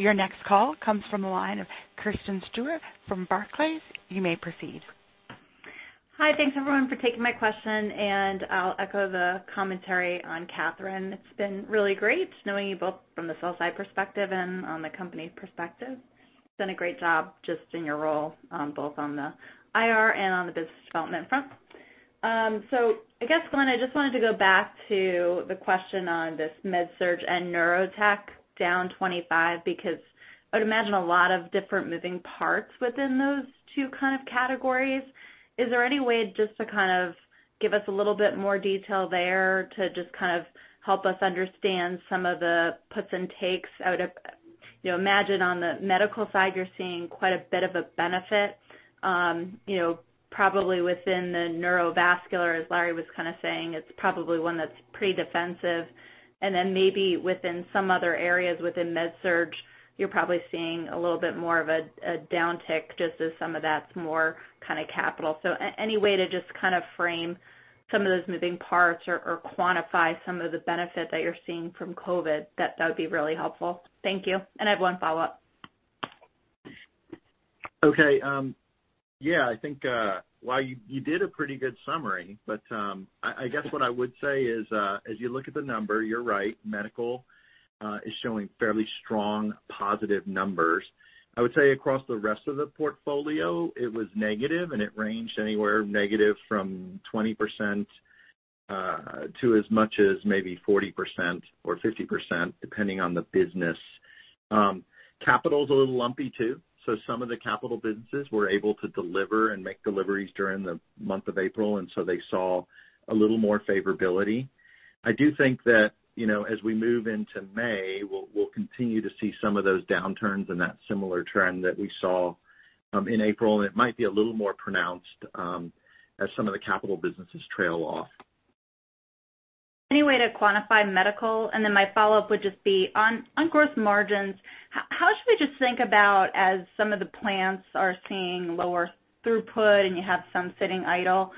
Your next call comes from the line of Kristen Stewart from Barclays. You may proceed. Thanks everyone for taking my question. I'll echo the commentary on Katherine. It's been really great knowing you both from the sell side perspective and on the company perspective. You've done a great job just in your role, both on the IR and on the business development front. I guess, Glenn, I just wanted to go back to the question on this MedSurg and Neurotech down 25%, because I would imagine a lot of different moving parts within those two kind of categories. Is there any way just to kind of give us a little bit more detail there to just kind of help us understand some of the puts and takes? I'd imagine on the medical side, you're seeing quite a bit of a benefit. Probably within the neurovascular, as Larry was kind of saying, it's probably one that's pretty defensive. Maybe within some other areas within MedSurg, you're probably seeing a little bit more of a downtick just as some of that's more kind of capital, any way to just kind of frame some of those moving parts or quantify some of the benefit that you're seeing from COVID? That would be really helpful. Thank you, and I have one follow-up. Okay. Yeah, I think you did a pretty good summary. I guess what I would say is as you look at the number, you're right, medical is showing fairly strong positive numbers. I would say across the rest of the portfolio, it was negative, it ranged anywhere negative from 20% to as much as maybe 40% or 50%, depending on the business. Capital's a little lumpy, too. Some of the capital businesses were able to deliver and make deliveries during the month of April they saw a little more favorability. I do think that as we move into May, we'll continue to see some of those downturns and that similar trend that we saw in April it might be a little more pronounced as some of the capital businesses trail off. Any way to quantify medical? My follow-up would just be on gross margins, how should we just think about as some of the plants are seeing lower throughput and you have some sitting idle,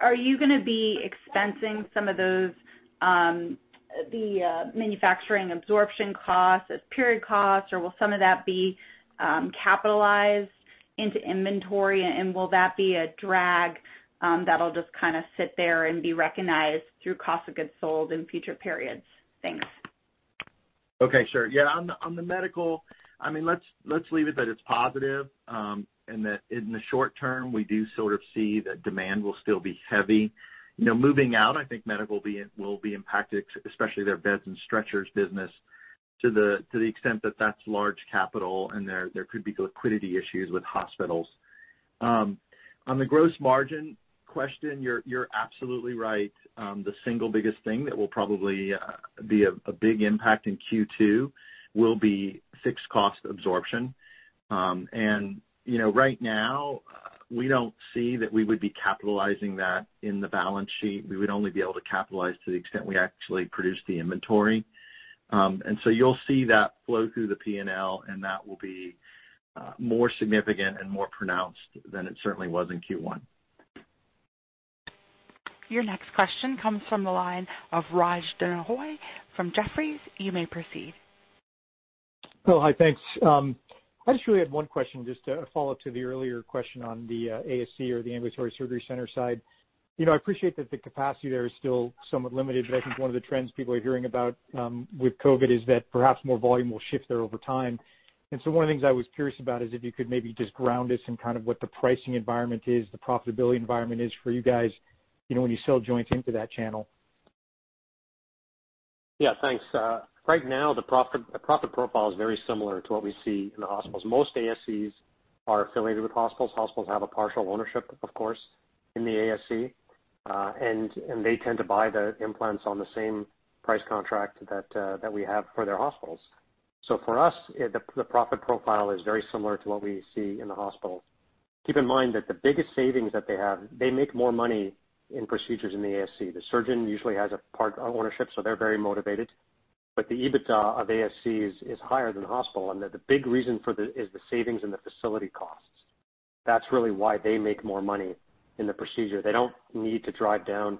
are you going to be expensing some of the manufacturing absorption costs as period costs? or will some of that be capitalized into inventory, and will that be a drag that'll just kind of sit there and be recognized through cost of goods sold in future periods? Thanks. Okay, sure yeah, on the medical, let's leave it that it's positive, and that in the short term, we do sort of see that demand will still be heavy. Moving out, I think medical will be impacted, especially their beds and stretchers business, to the extent that that's large capital, and there could be liquidity issues with hospitals. On the gross margin question, you're absolutely right. The single biggest thing that will probably be a big impact in Q2 will be fixed cost absorption. Right now, we don't see that we would be capitalizing that in the balance sheet. We would only be able to capitalize to the extent we actually produce the inventory. You'll see that flow through the P&L, and that will be more significant and more pronounced than it certainly was in Q1. Your next question comes from the line of Raj Denhoy from Jefferies. You may proceed. Oh, hi. Thanks. I just really had one question, just a follow-up to the earlier question on the ASC or the ambulatory surgery center side. I appreciate that the capacity there is still somewhat limited i think one of the trends people are hearing about with COVID-19 is that perhaps more volume will shift there over time. One of the things I was curious about is if you could maybe just ground us in kind of what the pricing environment is, the profitability environment is for you guys, when you sell joints into that channel. Yeah, thanks. Right now, the profit profile is very similar to what we see in the hospitals most ASCs are affiliated with hospitals, hospitals have a partial ownership, of course, in the ASC. They tend to buy the implants on the same price contract that we have for their hospitals. For us, the profit profile is very similar to what we see in the hospital. Keep in mind that the biggest savings that they have, they make more money in procedures in the ASC. The surgeon usually has a part ownership, so they're very motivated. The EBITDA of ASCs is higher than hospital, and that the big reason for that is the savings in the facility costs. That's really why they make more money in the procedure they don't need to drive down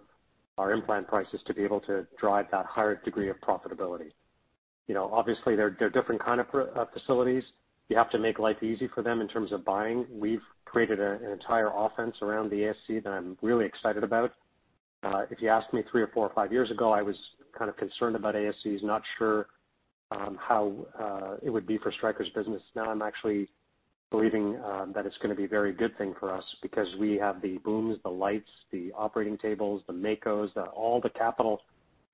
our implant prices to be able to drive that higher degree of profitability. Obviously, they're different kind of facilities. You have to make life easy for them in terms of buying, we've created an entire offense around the ASC that I'm really excited about. If you asked me three or four or five years ago, I was kind of concerned about ASCs, not sure how it would be for Stryker's business now I'm actually believing that it's going to be a very good thing for us because we have the booms, the lights, the operating tables, the Mako's, all the capital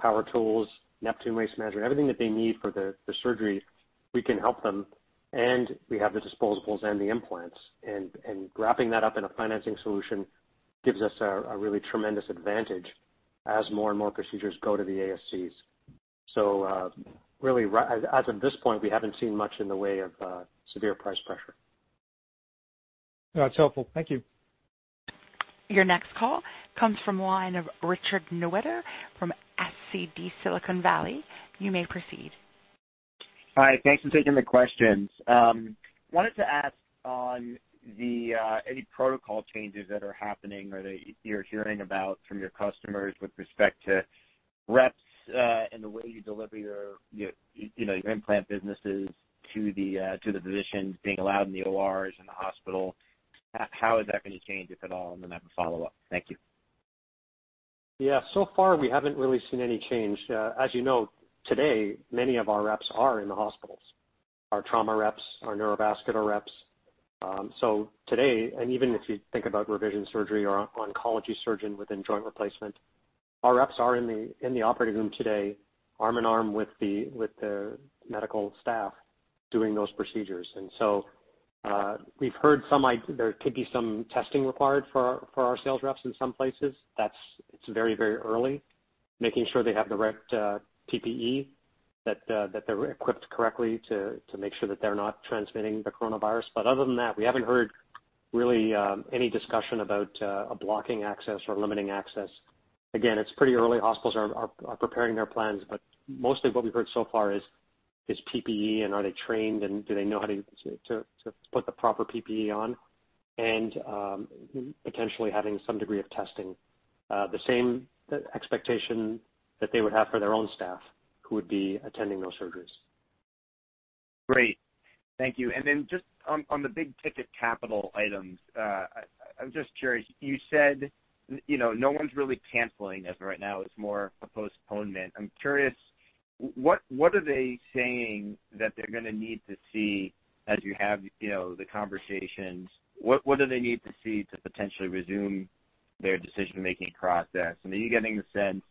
power tools. Neptune Waste Management, everything that they need for the surgery, we can help them, and we have the disposables and the implants. And wrapping that up in a financing solution gives us a really tremendous advantage as more and more procedures go to the ASCs. Really, as of this point, we haven't seen much in the way of severe price pressure. That's helpful. Thank you. Your next call comes from the line of Richard Newitter from SVB Silicon Valley. You may proceed. Hi, thanks for taking the questions. Wanted to ask on any protocol changes that are happening or that you're hearing about from your customers with respect to reps and the way you deliver your implant businesses to the physicians being allowed in the ORs and the hospital. How is that going to change, if at all? Then I have a follow-up. Thank you. Yeah so far, we haven't really seen any change. As you know, today, many of our reps are in the hospitals, our trauma reps, our neurovascular reps. Today, and even if you think about revision surgery or oncology surgeon within joint replacement, our reps are in the operating room today, arm in arm with the medical staff doing those procedures. We've heard there could be some testing required for our sales reps in some places, it's very early, making sure they have the right PPE, that they're equipped correctly to make sure that they're not transmitting the Corona virus but we haven't heard really any discussion about blocking access or limiting access. Again, it's pretty early hospitals are preparing their plans, but mostly what we've heard so far is PPE and are they trained, and do they know how to put the proper PPE on, and potentially having some degree of testing, the same expectation that they would have for their own staff who would be attending those surgeries. Great. Thank you. Just on the big-ticket capital items, I'm just curious you said, no one's really canceling as of right now it's more a postponement i'm curious, what are they saying that they're going to need to see as you have the conversations, what do they need to see to potentially resume their decision-making process? Are you getting the sense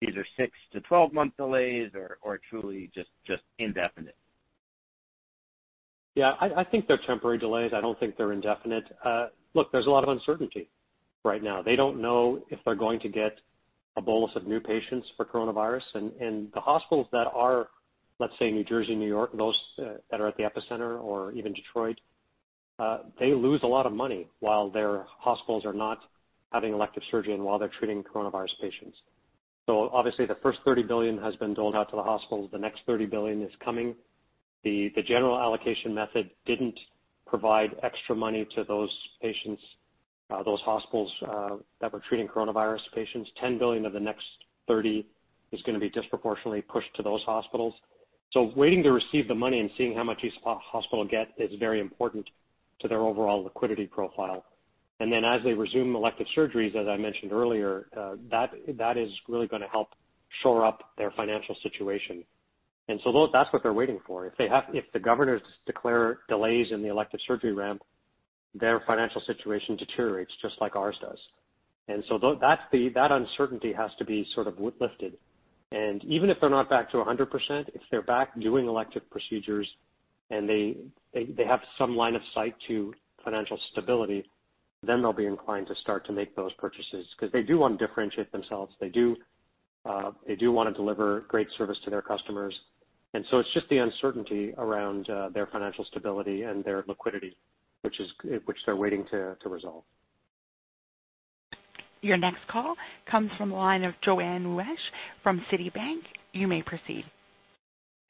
these are 6-12 month delays or truly just indefinite? Yeah, I think they're temporary delays i don't think they're indefinite. Look, there's a lot of uncertainty right now they don't know if they're going to get a bolus of new patients for Corona virus the hospitals that are, let's say, New Jersey, New York, those that are at the epicenter or even Detroit, they lose a lot of money while their hospitals are not having elective surgery and while they're treating Corona virus patients. Obviously, the first $30 billion has been doled out to the hospitals the next $30 billion is coming. The general allocation method didn't provide extra money to those hospitals that were treating Corona virus patients $10 billion of the next $30 billion is going to be disproportionately pushed to those hospitals. Waiting to receive the money and seeing how much each hospital gets is very important to their overall liquidity profile. As they resume elective surgeries, as I mentioned earlier, that is really going to help shore up their financial situation. That's what they're waiting for if the governors declare delays in the elective surgery ramp, their financial situation deteriorates just like ours does. That uncertainty has to be sort of lifted. Even if they're not back to 100%, if they're back doing elective procedures and they have some line of sight to financial stability, then they'll be inclined to start to make those purchases, because they do want to differentiate themselves they do, want to deliver great service to their customers. It's just the uncertainty around their financial stability and their liquidity, which they're waiting to resolve. Your next call comes from the line of Joanne Wuensch from Citi bank. You may proceed.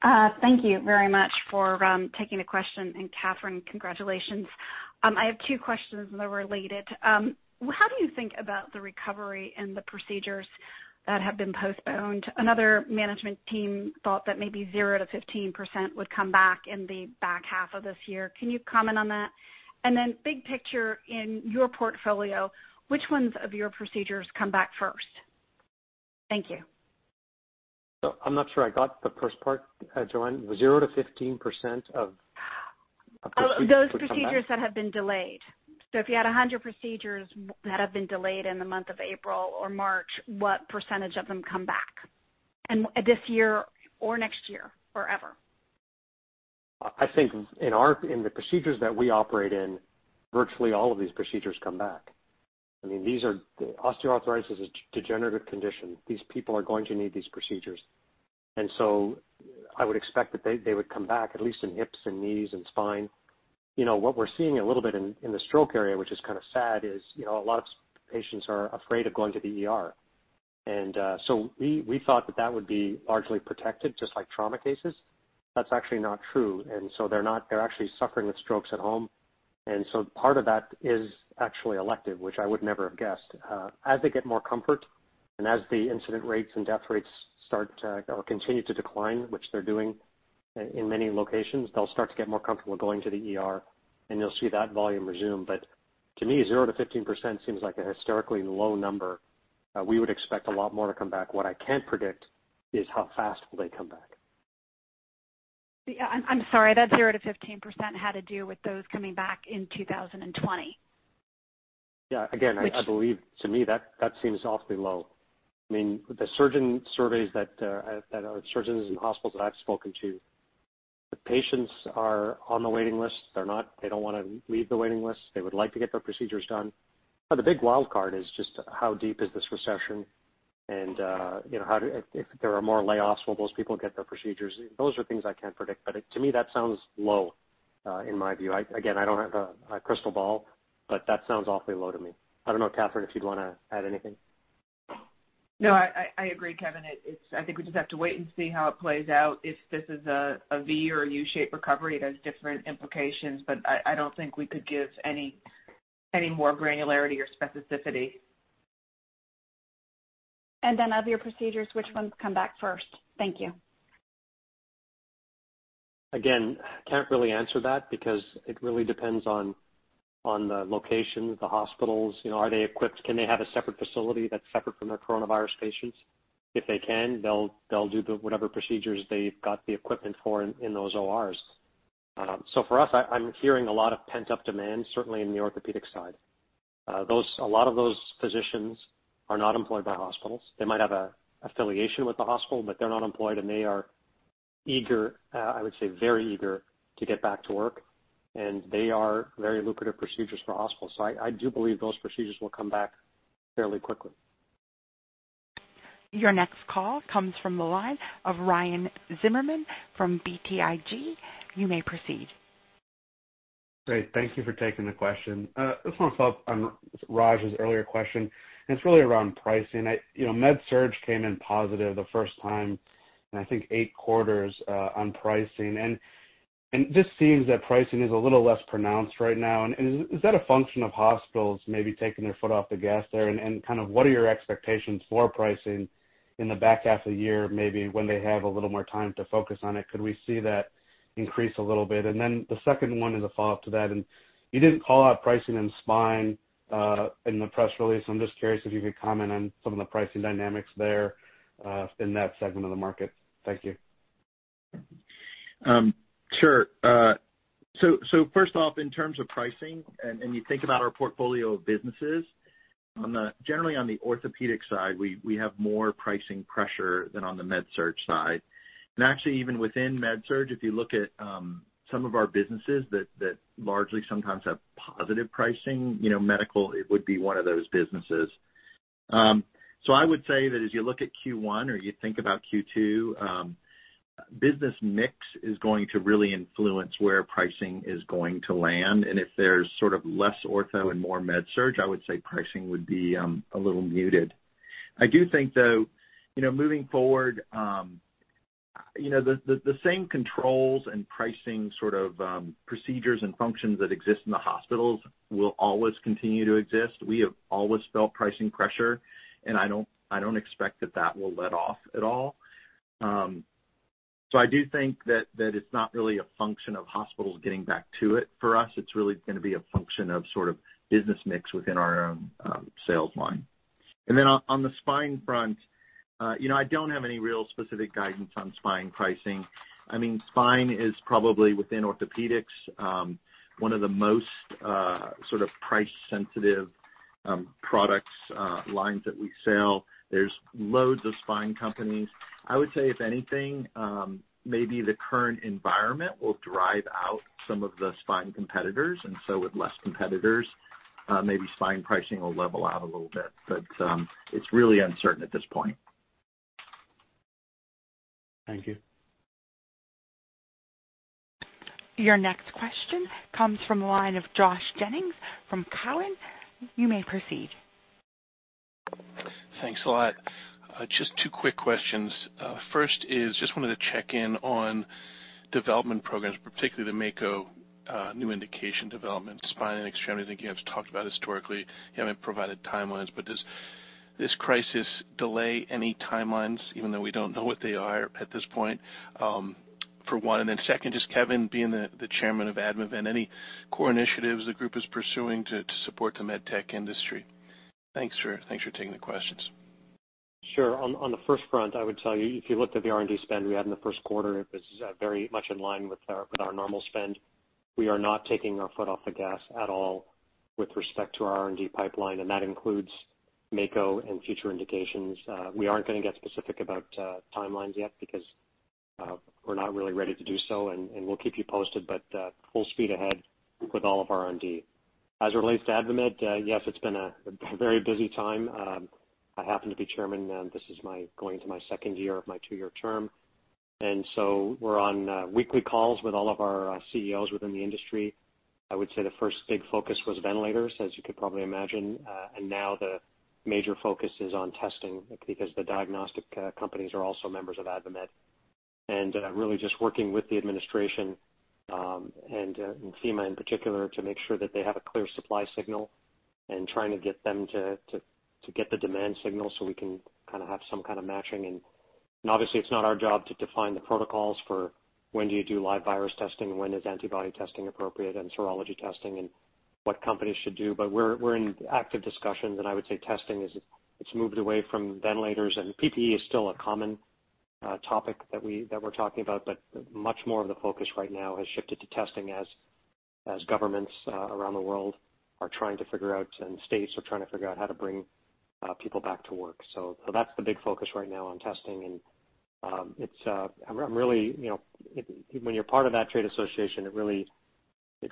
Thank you very much for taking the question, and Katherine, congratulations. I have two questions, and they're related. How do you think about the recovery and the procedures that have been postponed? Another management team thought that maybe 0%-15% would come back in the back half of this year can you comment on that? Big picture in your portfolio, which ones of your procedures come back first? Thank you. I'm not sure I got the first part, Joanne was 0%-15% of procedures would come back? Those procedures that have been delayed. If you had 100 procedures that have been delayed in the month of April or March, what percentage of them come back, this year or next year, or ever? I think in the procedures that we operate in, virtually all of these procedures come back. I mean, osteoarthritis is a degenerative condition. These people are going to need these procedures. I would expect that they would come back at least in hips and knees and spine. What we're seeing a little bit in the stroke area, which is kind of sad, is a lot of patients are afraid of going to the ER. We thought that that would be largely protected, just like trauma cases. That's actually not true and so, they're actually suffering with strokes at home. Part of that is actually elective, which I would never have guessed. As they get more comfort and as the incident rates and death rates start to or continue to decline, which they're doing in many locations, they'll start to get more comfortable going to the ER, and you'll see that volume resume but, to me, 0%-15% seems like a historically low number. We would expect a lot more to come back what I can't predict is how fast will they come back. Yeah. I'm sorry, that 0%-15% had to do with those coming back in 2020. Yeah again, I believe, to me, that seems awfully low. I mean, the surgeon surveys that our surgeons and hospitals that I've spoken to, the patients are on the waiting list they don't want to leave the waiting list. They would like to get their procedures done. The big wildcard is just how deep is this recession, and if there are more layoffs, will those people get their procedures? Those are things I can't predict, but to me, that sounds low in my view again, I don't have a crystal ball, but that sounds awfully low to me. I don't know, Katherine, if you'd want to add anything. No, I agree, Kevin. I think we just have to wait and see how it plays out. If this is a V or a U-shaped recovery, it has different implications, but I don't think we could give any more granularity or specificity. Of your procedures, which ones come back first? Thank you. Can't really answer that because it really depends on the location, the hospitals are they equipped? Can they have a separate facility that's separate from their Corona virus patients? If they can, they'll do whatever procedures they've got the equipment for in those ORs. For us, I'm hearing a lot of pent-up demand, certainly in the orthopedic side. A lot of those physicians are not employed by hospitals. They might have an affiliation with the hospital, but they're not employed, and they are eager, I would say very eager, to get back to work. They are very lucrative procedures for hospitals i do believe those procedures will come back fairly quickly. Your next call comes from the line of Ryan Zimmerman from BTIG. You may proceed. Great. Thank you for taking the question. I just want to follow up on Raj's earlier question, and it's really around pricing. You know MedSurg came in positive the first time in I think eight quarters on pricing, and this seems that pricing is a little less pronounced right now. Is that a function of hospitals maybe taking their foot off the gas there? Kind of what are your expectations for pricing- -in the back half of the year, maybe when they have a little more time to focus on it could we see that increase a little bit? Then the second one is a follow-up to that, and you didn't call out pricing in Spine in the press release i'm just curious if you could comment on some of the pricing dynamics there in that segment of the market. Thank you. Sure. First off, in terms of pricing, and you think about our portfolio of businesses, generally on the orthopedic side, we have more pricing pressure than on the MedSurg side. Actually, even within MedSurg, if you look at some of our businesses that largely sometimes have positive pricing, medical, it would be one of those businesses. I would say that as you look at Q1 or you think about Q2, business mix is going to really influence where pricing is going to land, and if there's sort of less ortho and more MedSurg, I would say pricing would be a little muted. I do think, though, moving forward, the same controls and pricing sort of procedures and functions that exist in the hospitals will always continue to exist we have always felt pricing pressure, and I don't expect that that will let off at all. I do think that it's not really a function of hospitals getting back to it for us, it's really going to be a function of sort of business mix within our own sales line. On the Spine front, I don't have any real specific guidance on Spine pricing. Spine is probably, within Orthopaedics, one of the most price-sensitive product lines that we sell. There's loads of Spine companies. I would say, if anything, maybe the current environment will drive out some of the Spine competitors, with less competitors, maybe Spine pricing will level out a little bit. It's really uncertain at this point. Thank you. Your next question comes from the line of Josh Jennings from Cowen. You may proceed. Thanks a lot. Just two quick questions. First is, just wanted to check in on development programs, particularly the Mako new indication development, Spine and extremity i think you have talked about historically. You haven't provided timelines, but does this crisis delay any timelines, even though we don't know what they are at this point, for one second, just Kevin being the Chairman of AdvaMed, any core initiatives the group is pursuing to support the med tech industry? Thanks for taking the questions. Sure on the first front, I would tell you, if you looked at the R&D spend we had in the Q1, it was very much in line with our normal spend. We are not taking our foot off the gas at all with respect to our R&D pipeline, and that includes Mako and future indications. We aren't going to get specific about timelines yet because we're not really ready to do so, and we'll keep you posted, but full speed ahead with all of R&D. As it relates to AdvaMed, yes, it's been a very busy time. I happen to be Chairman this is going into my second year of my two-year term, and so we're on weekly calls with all of our CEOs within the industry. I would say the first big focus was ventilators, as you could probably imagine and now the major focus is on testing because the diagnostic companies are also members of AdvaMed. Really just working with the administration, and FEMA in particular, to make sure that they have a clear supply signal and trying to get them to get the demand signal so we can have some kind of matching. Obviously it's not our job to define the protocols for when do you do live virus testing and when is antibody testing appropriate and serology testing and what companies should do, but we're in active discussions, I would say testing, it's moved away from ventilators, PPE is still a common topic that we're talking about, but much more of the focus right now has shifted to testing as governments around the world are trying to figure out, and states are trying to figure out how to bring people back to work. That's the big focus right now on testing, and when you're part of that trade association, it really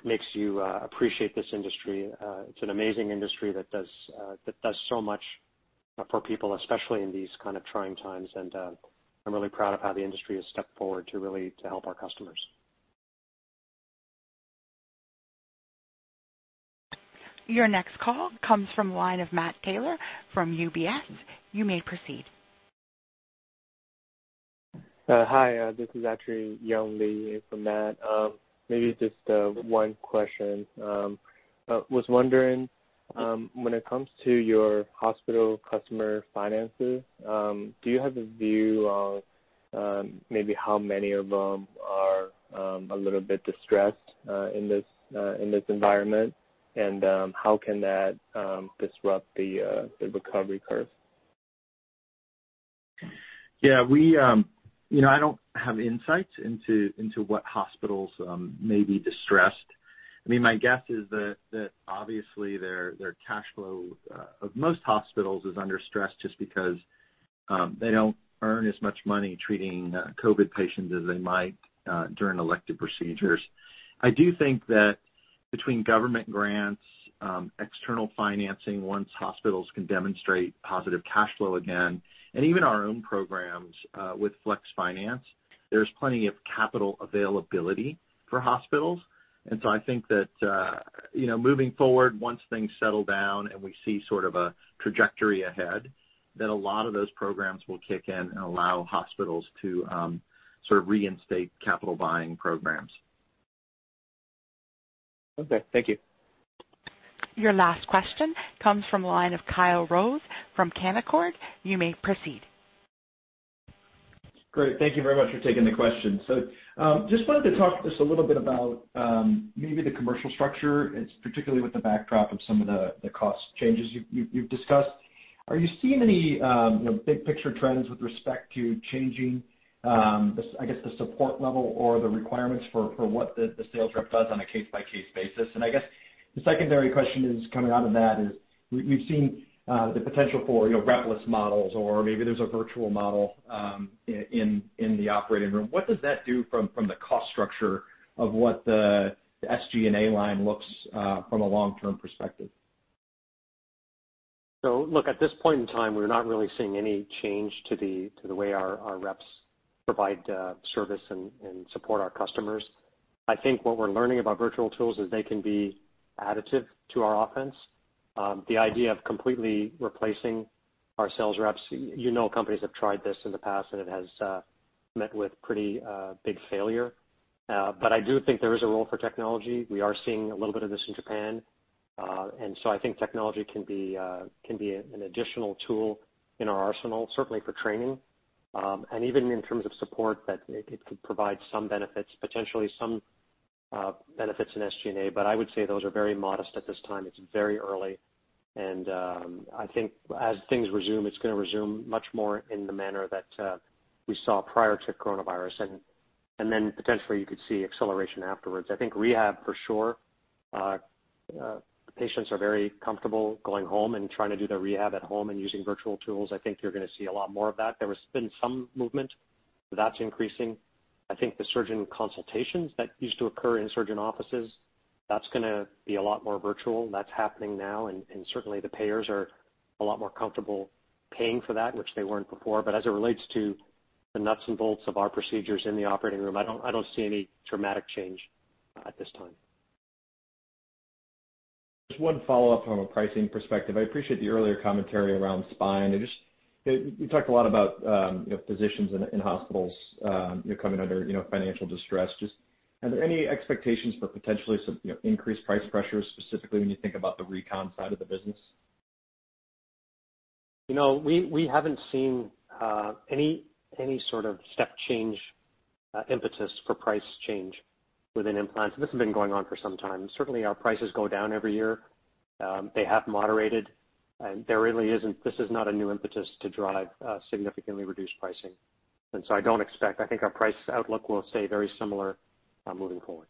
makes you appreciate this industry. It's an amazing industry that does so much for people, especially in these kind of trying times, and I'm really proud of how the industry has stepped forward to really help our customers. Your next call comes from the line of Matt Taylor from UBS. You may proceed. Hi, this is actually Young Li in for Matt. Maybe just one question. I was wondering, when it comes to your hospital customer finances, do you have a view on maybe how many of them are a little bit distressed in this environment? and how can that disrupt the recovery curve? Yeah. I don't have insights into what hospitals may be distressed. My guess is that obviously their cash flow of most hospitals is under stress just because they don't earn as much money treating COVID patients as they might during elective procedures. I do think that between government grants, external financing, once hospitals can demonstrate positive cash flow again, and even our own programs with Flex Financial, there's plenty of capital availability for hospitals. I think that moving forward, once things settle down and we see sort of a trajectory ahead, that a lot of those programs will kick in and allow hospitals to sort of reinstate capital buying programs. Okay. Thank you. Your last question comes from the line of Kyle Rose from Canaccord. You may proceed. Great. Thank you very much for taking the question. Just wanted to talk just a little bit about maybe the commercial structure. It's particularly with the backdrop of some of the cost changes you've discussed. Are you seeing any big picture trends with respect to changing. I guess, the support level or the requirements for what the sales rep does on a case-by-case basis? I guess the secondary question coming out of that is, we've seen the potential for rep-less models or maybe there's a virtual model in the operating room? what does that do from the cost structure of what the SG&A line looks from a long-term perspective? Look, at this point in time, we're not really seeing any change to the way our reps provide service and support our customers. I think what we're learning about virtual tools is they can be additive to our offense. The idea of completely replacing our sales reps, you know companies have tried this in the past, and it has met with pretty big failure. I do think there is a role for technology, we are seeing a little bit of this in Japan. I think technology can be an additional tool in our arsenal, certainly for training, and even in terms of support, that it could provide some benefits, potentially some benefits in SG&A, but I would say those are very modest at this time it's very early. I think as things resume, it's going to resume much more in the manner that we saw prior to Corona virus. Potentially you could see acceleration afterwards i think rehab for sure. Patients are very comfortable going home and trying to do their rehab at home and using virtual tools i think you're going to see a lot more of that there has been some movement. That's increasing. I think the surgeon consultations that used to occur in surgeon offices, that's going to be a lot more virtual that's happening now and certainly the payers are a lot more comfortable paying for that, which they weren't before as it relates to the nuts and bolts of our procedures in the operating room, I don't see any dramatic change at this time. Just one follow-up from a pricing perspective i appreciate the earlier commentary around Spine. You talked a lot about physicians in hospitals coming under financial distress. Are there any expectations for potentially some increased price pressures, specifically when you think about the recon side of the business? We haven't seen any sort of step change impetus for price change within implants this has been going on for some time. Certainly, our prices go down every year. They have moderated, this is not a new impetus to drive significantly reduced pricing. I think our price outlook will stay very similar moving forward.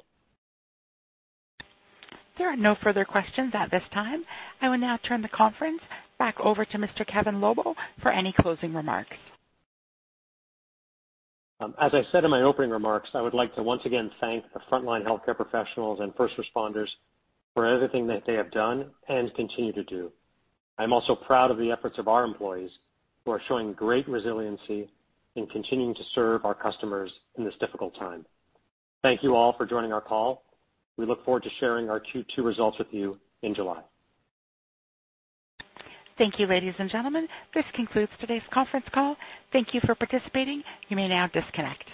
There are no further questions at this time. I will now turn the conference back over to Mr. Kevin Lobo for any closing remarks. As I said in my opening remarks, I would like to once again thank the frontline healthcare professionals and first responders for everything that they have done and continue to do. I'm also proud of the efforts of our employees, who are showing great resiliency in continuing to serve our customers in this difficult time. Thank you all for joining our call. We look forward to sharing our Q2 results with you in July. Thank you, ladies and gentlemen. This concludes today's conference call. Thank you for participating. You may now disconnect.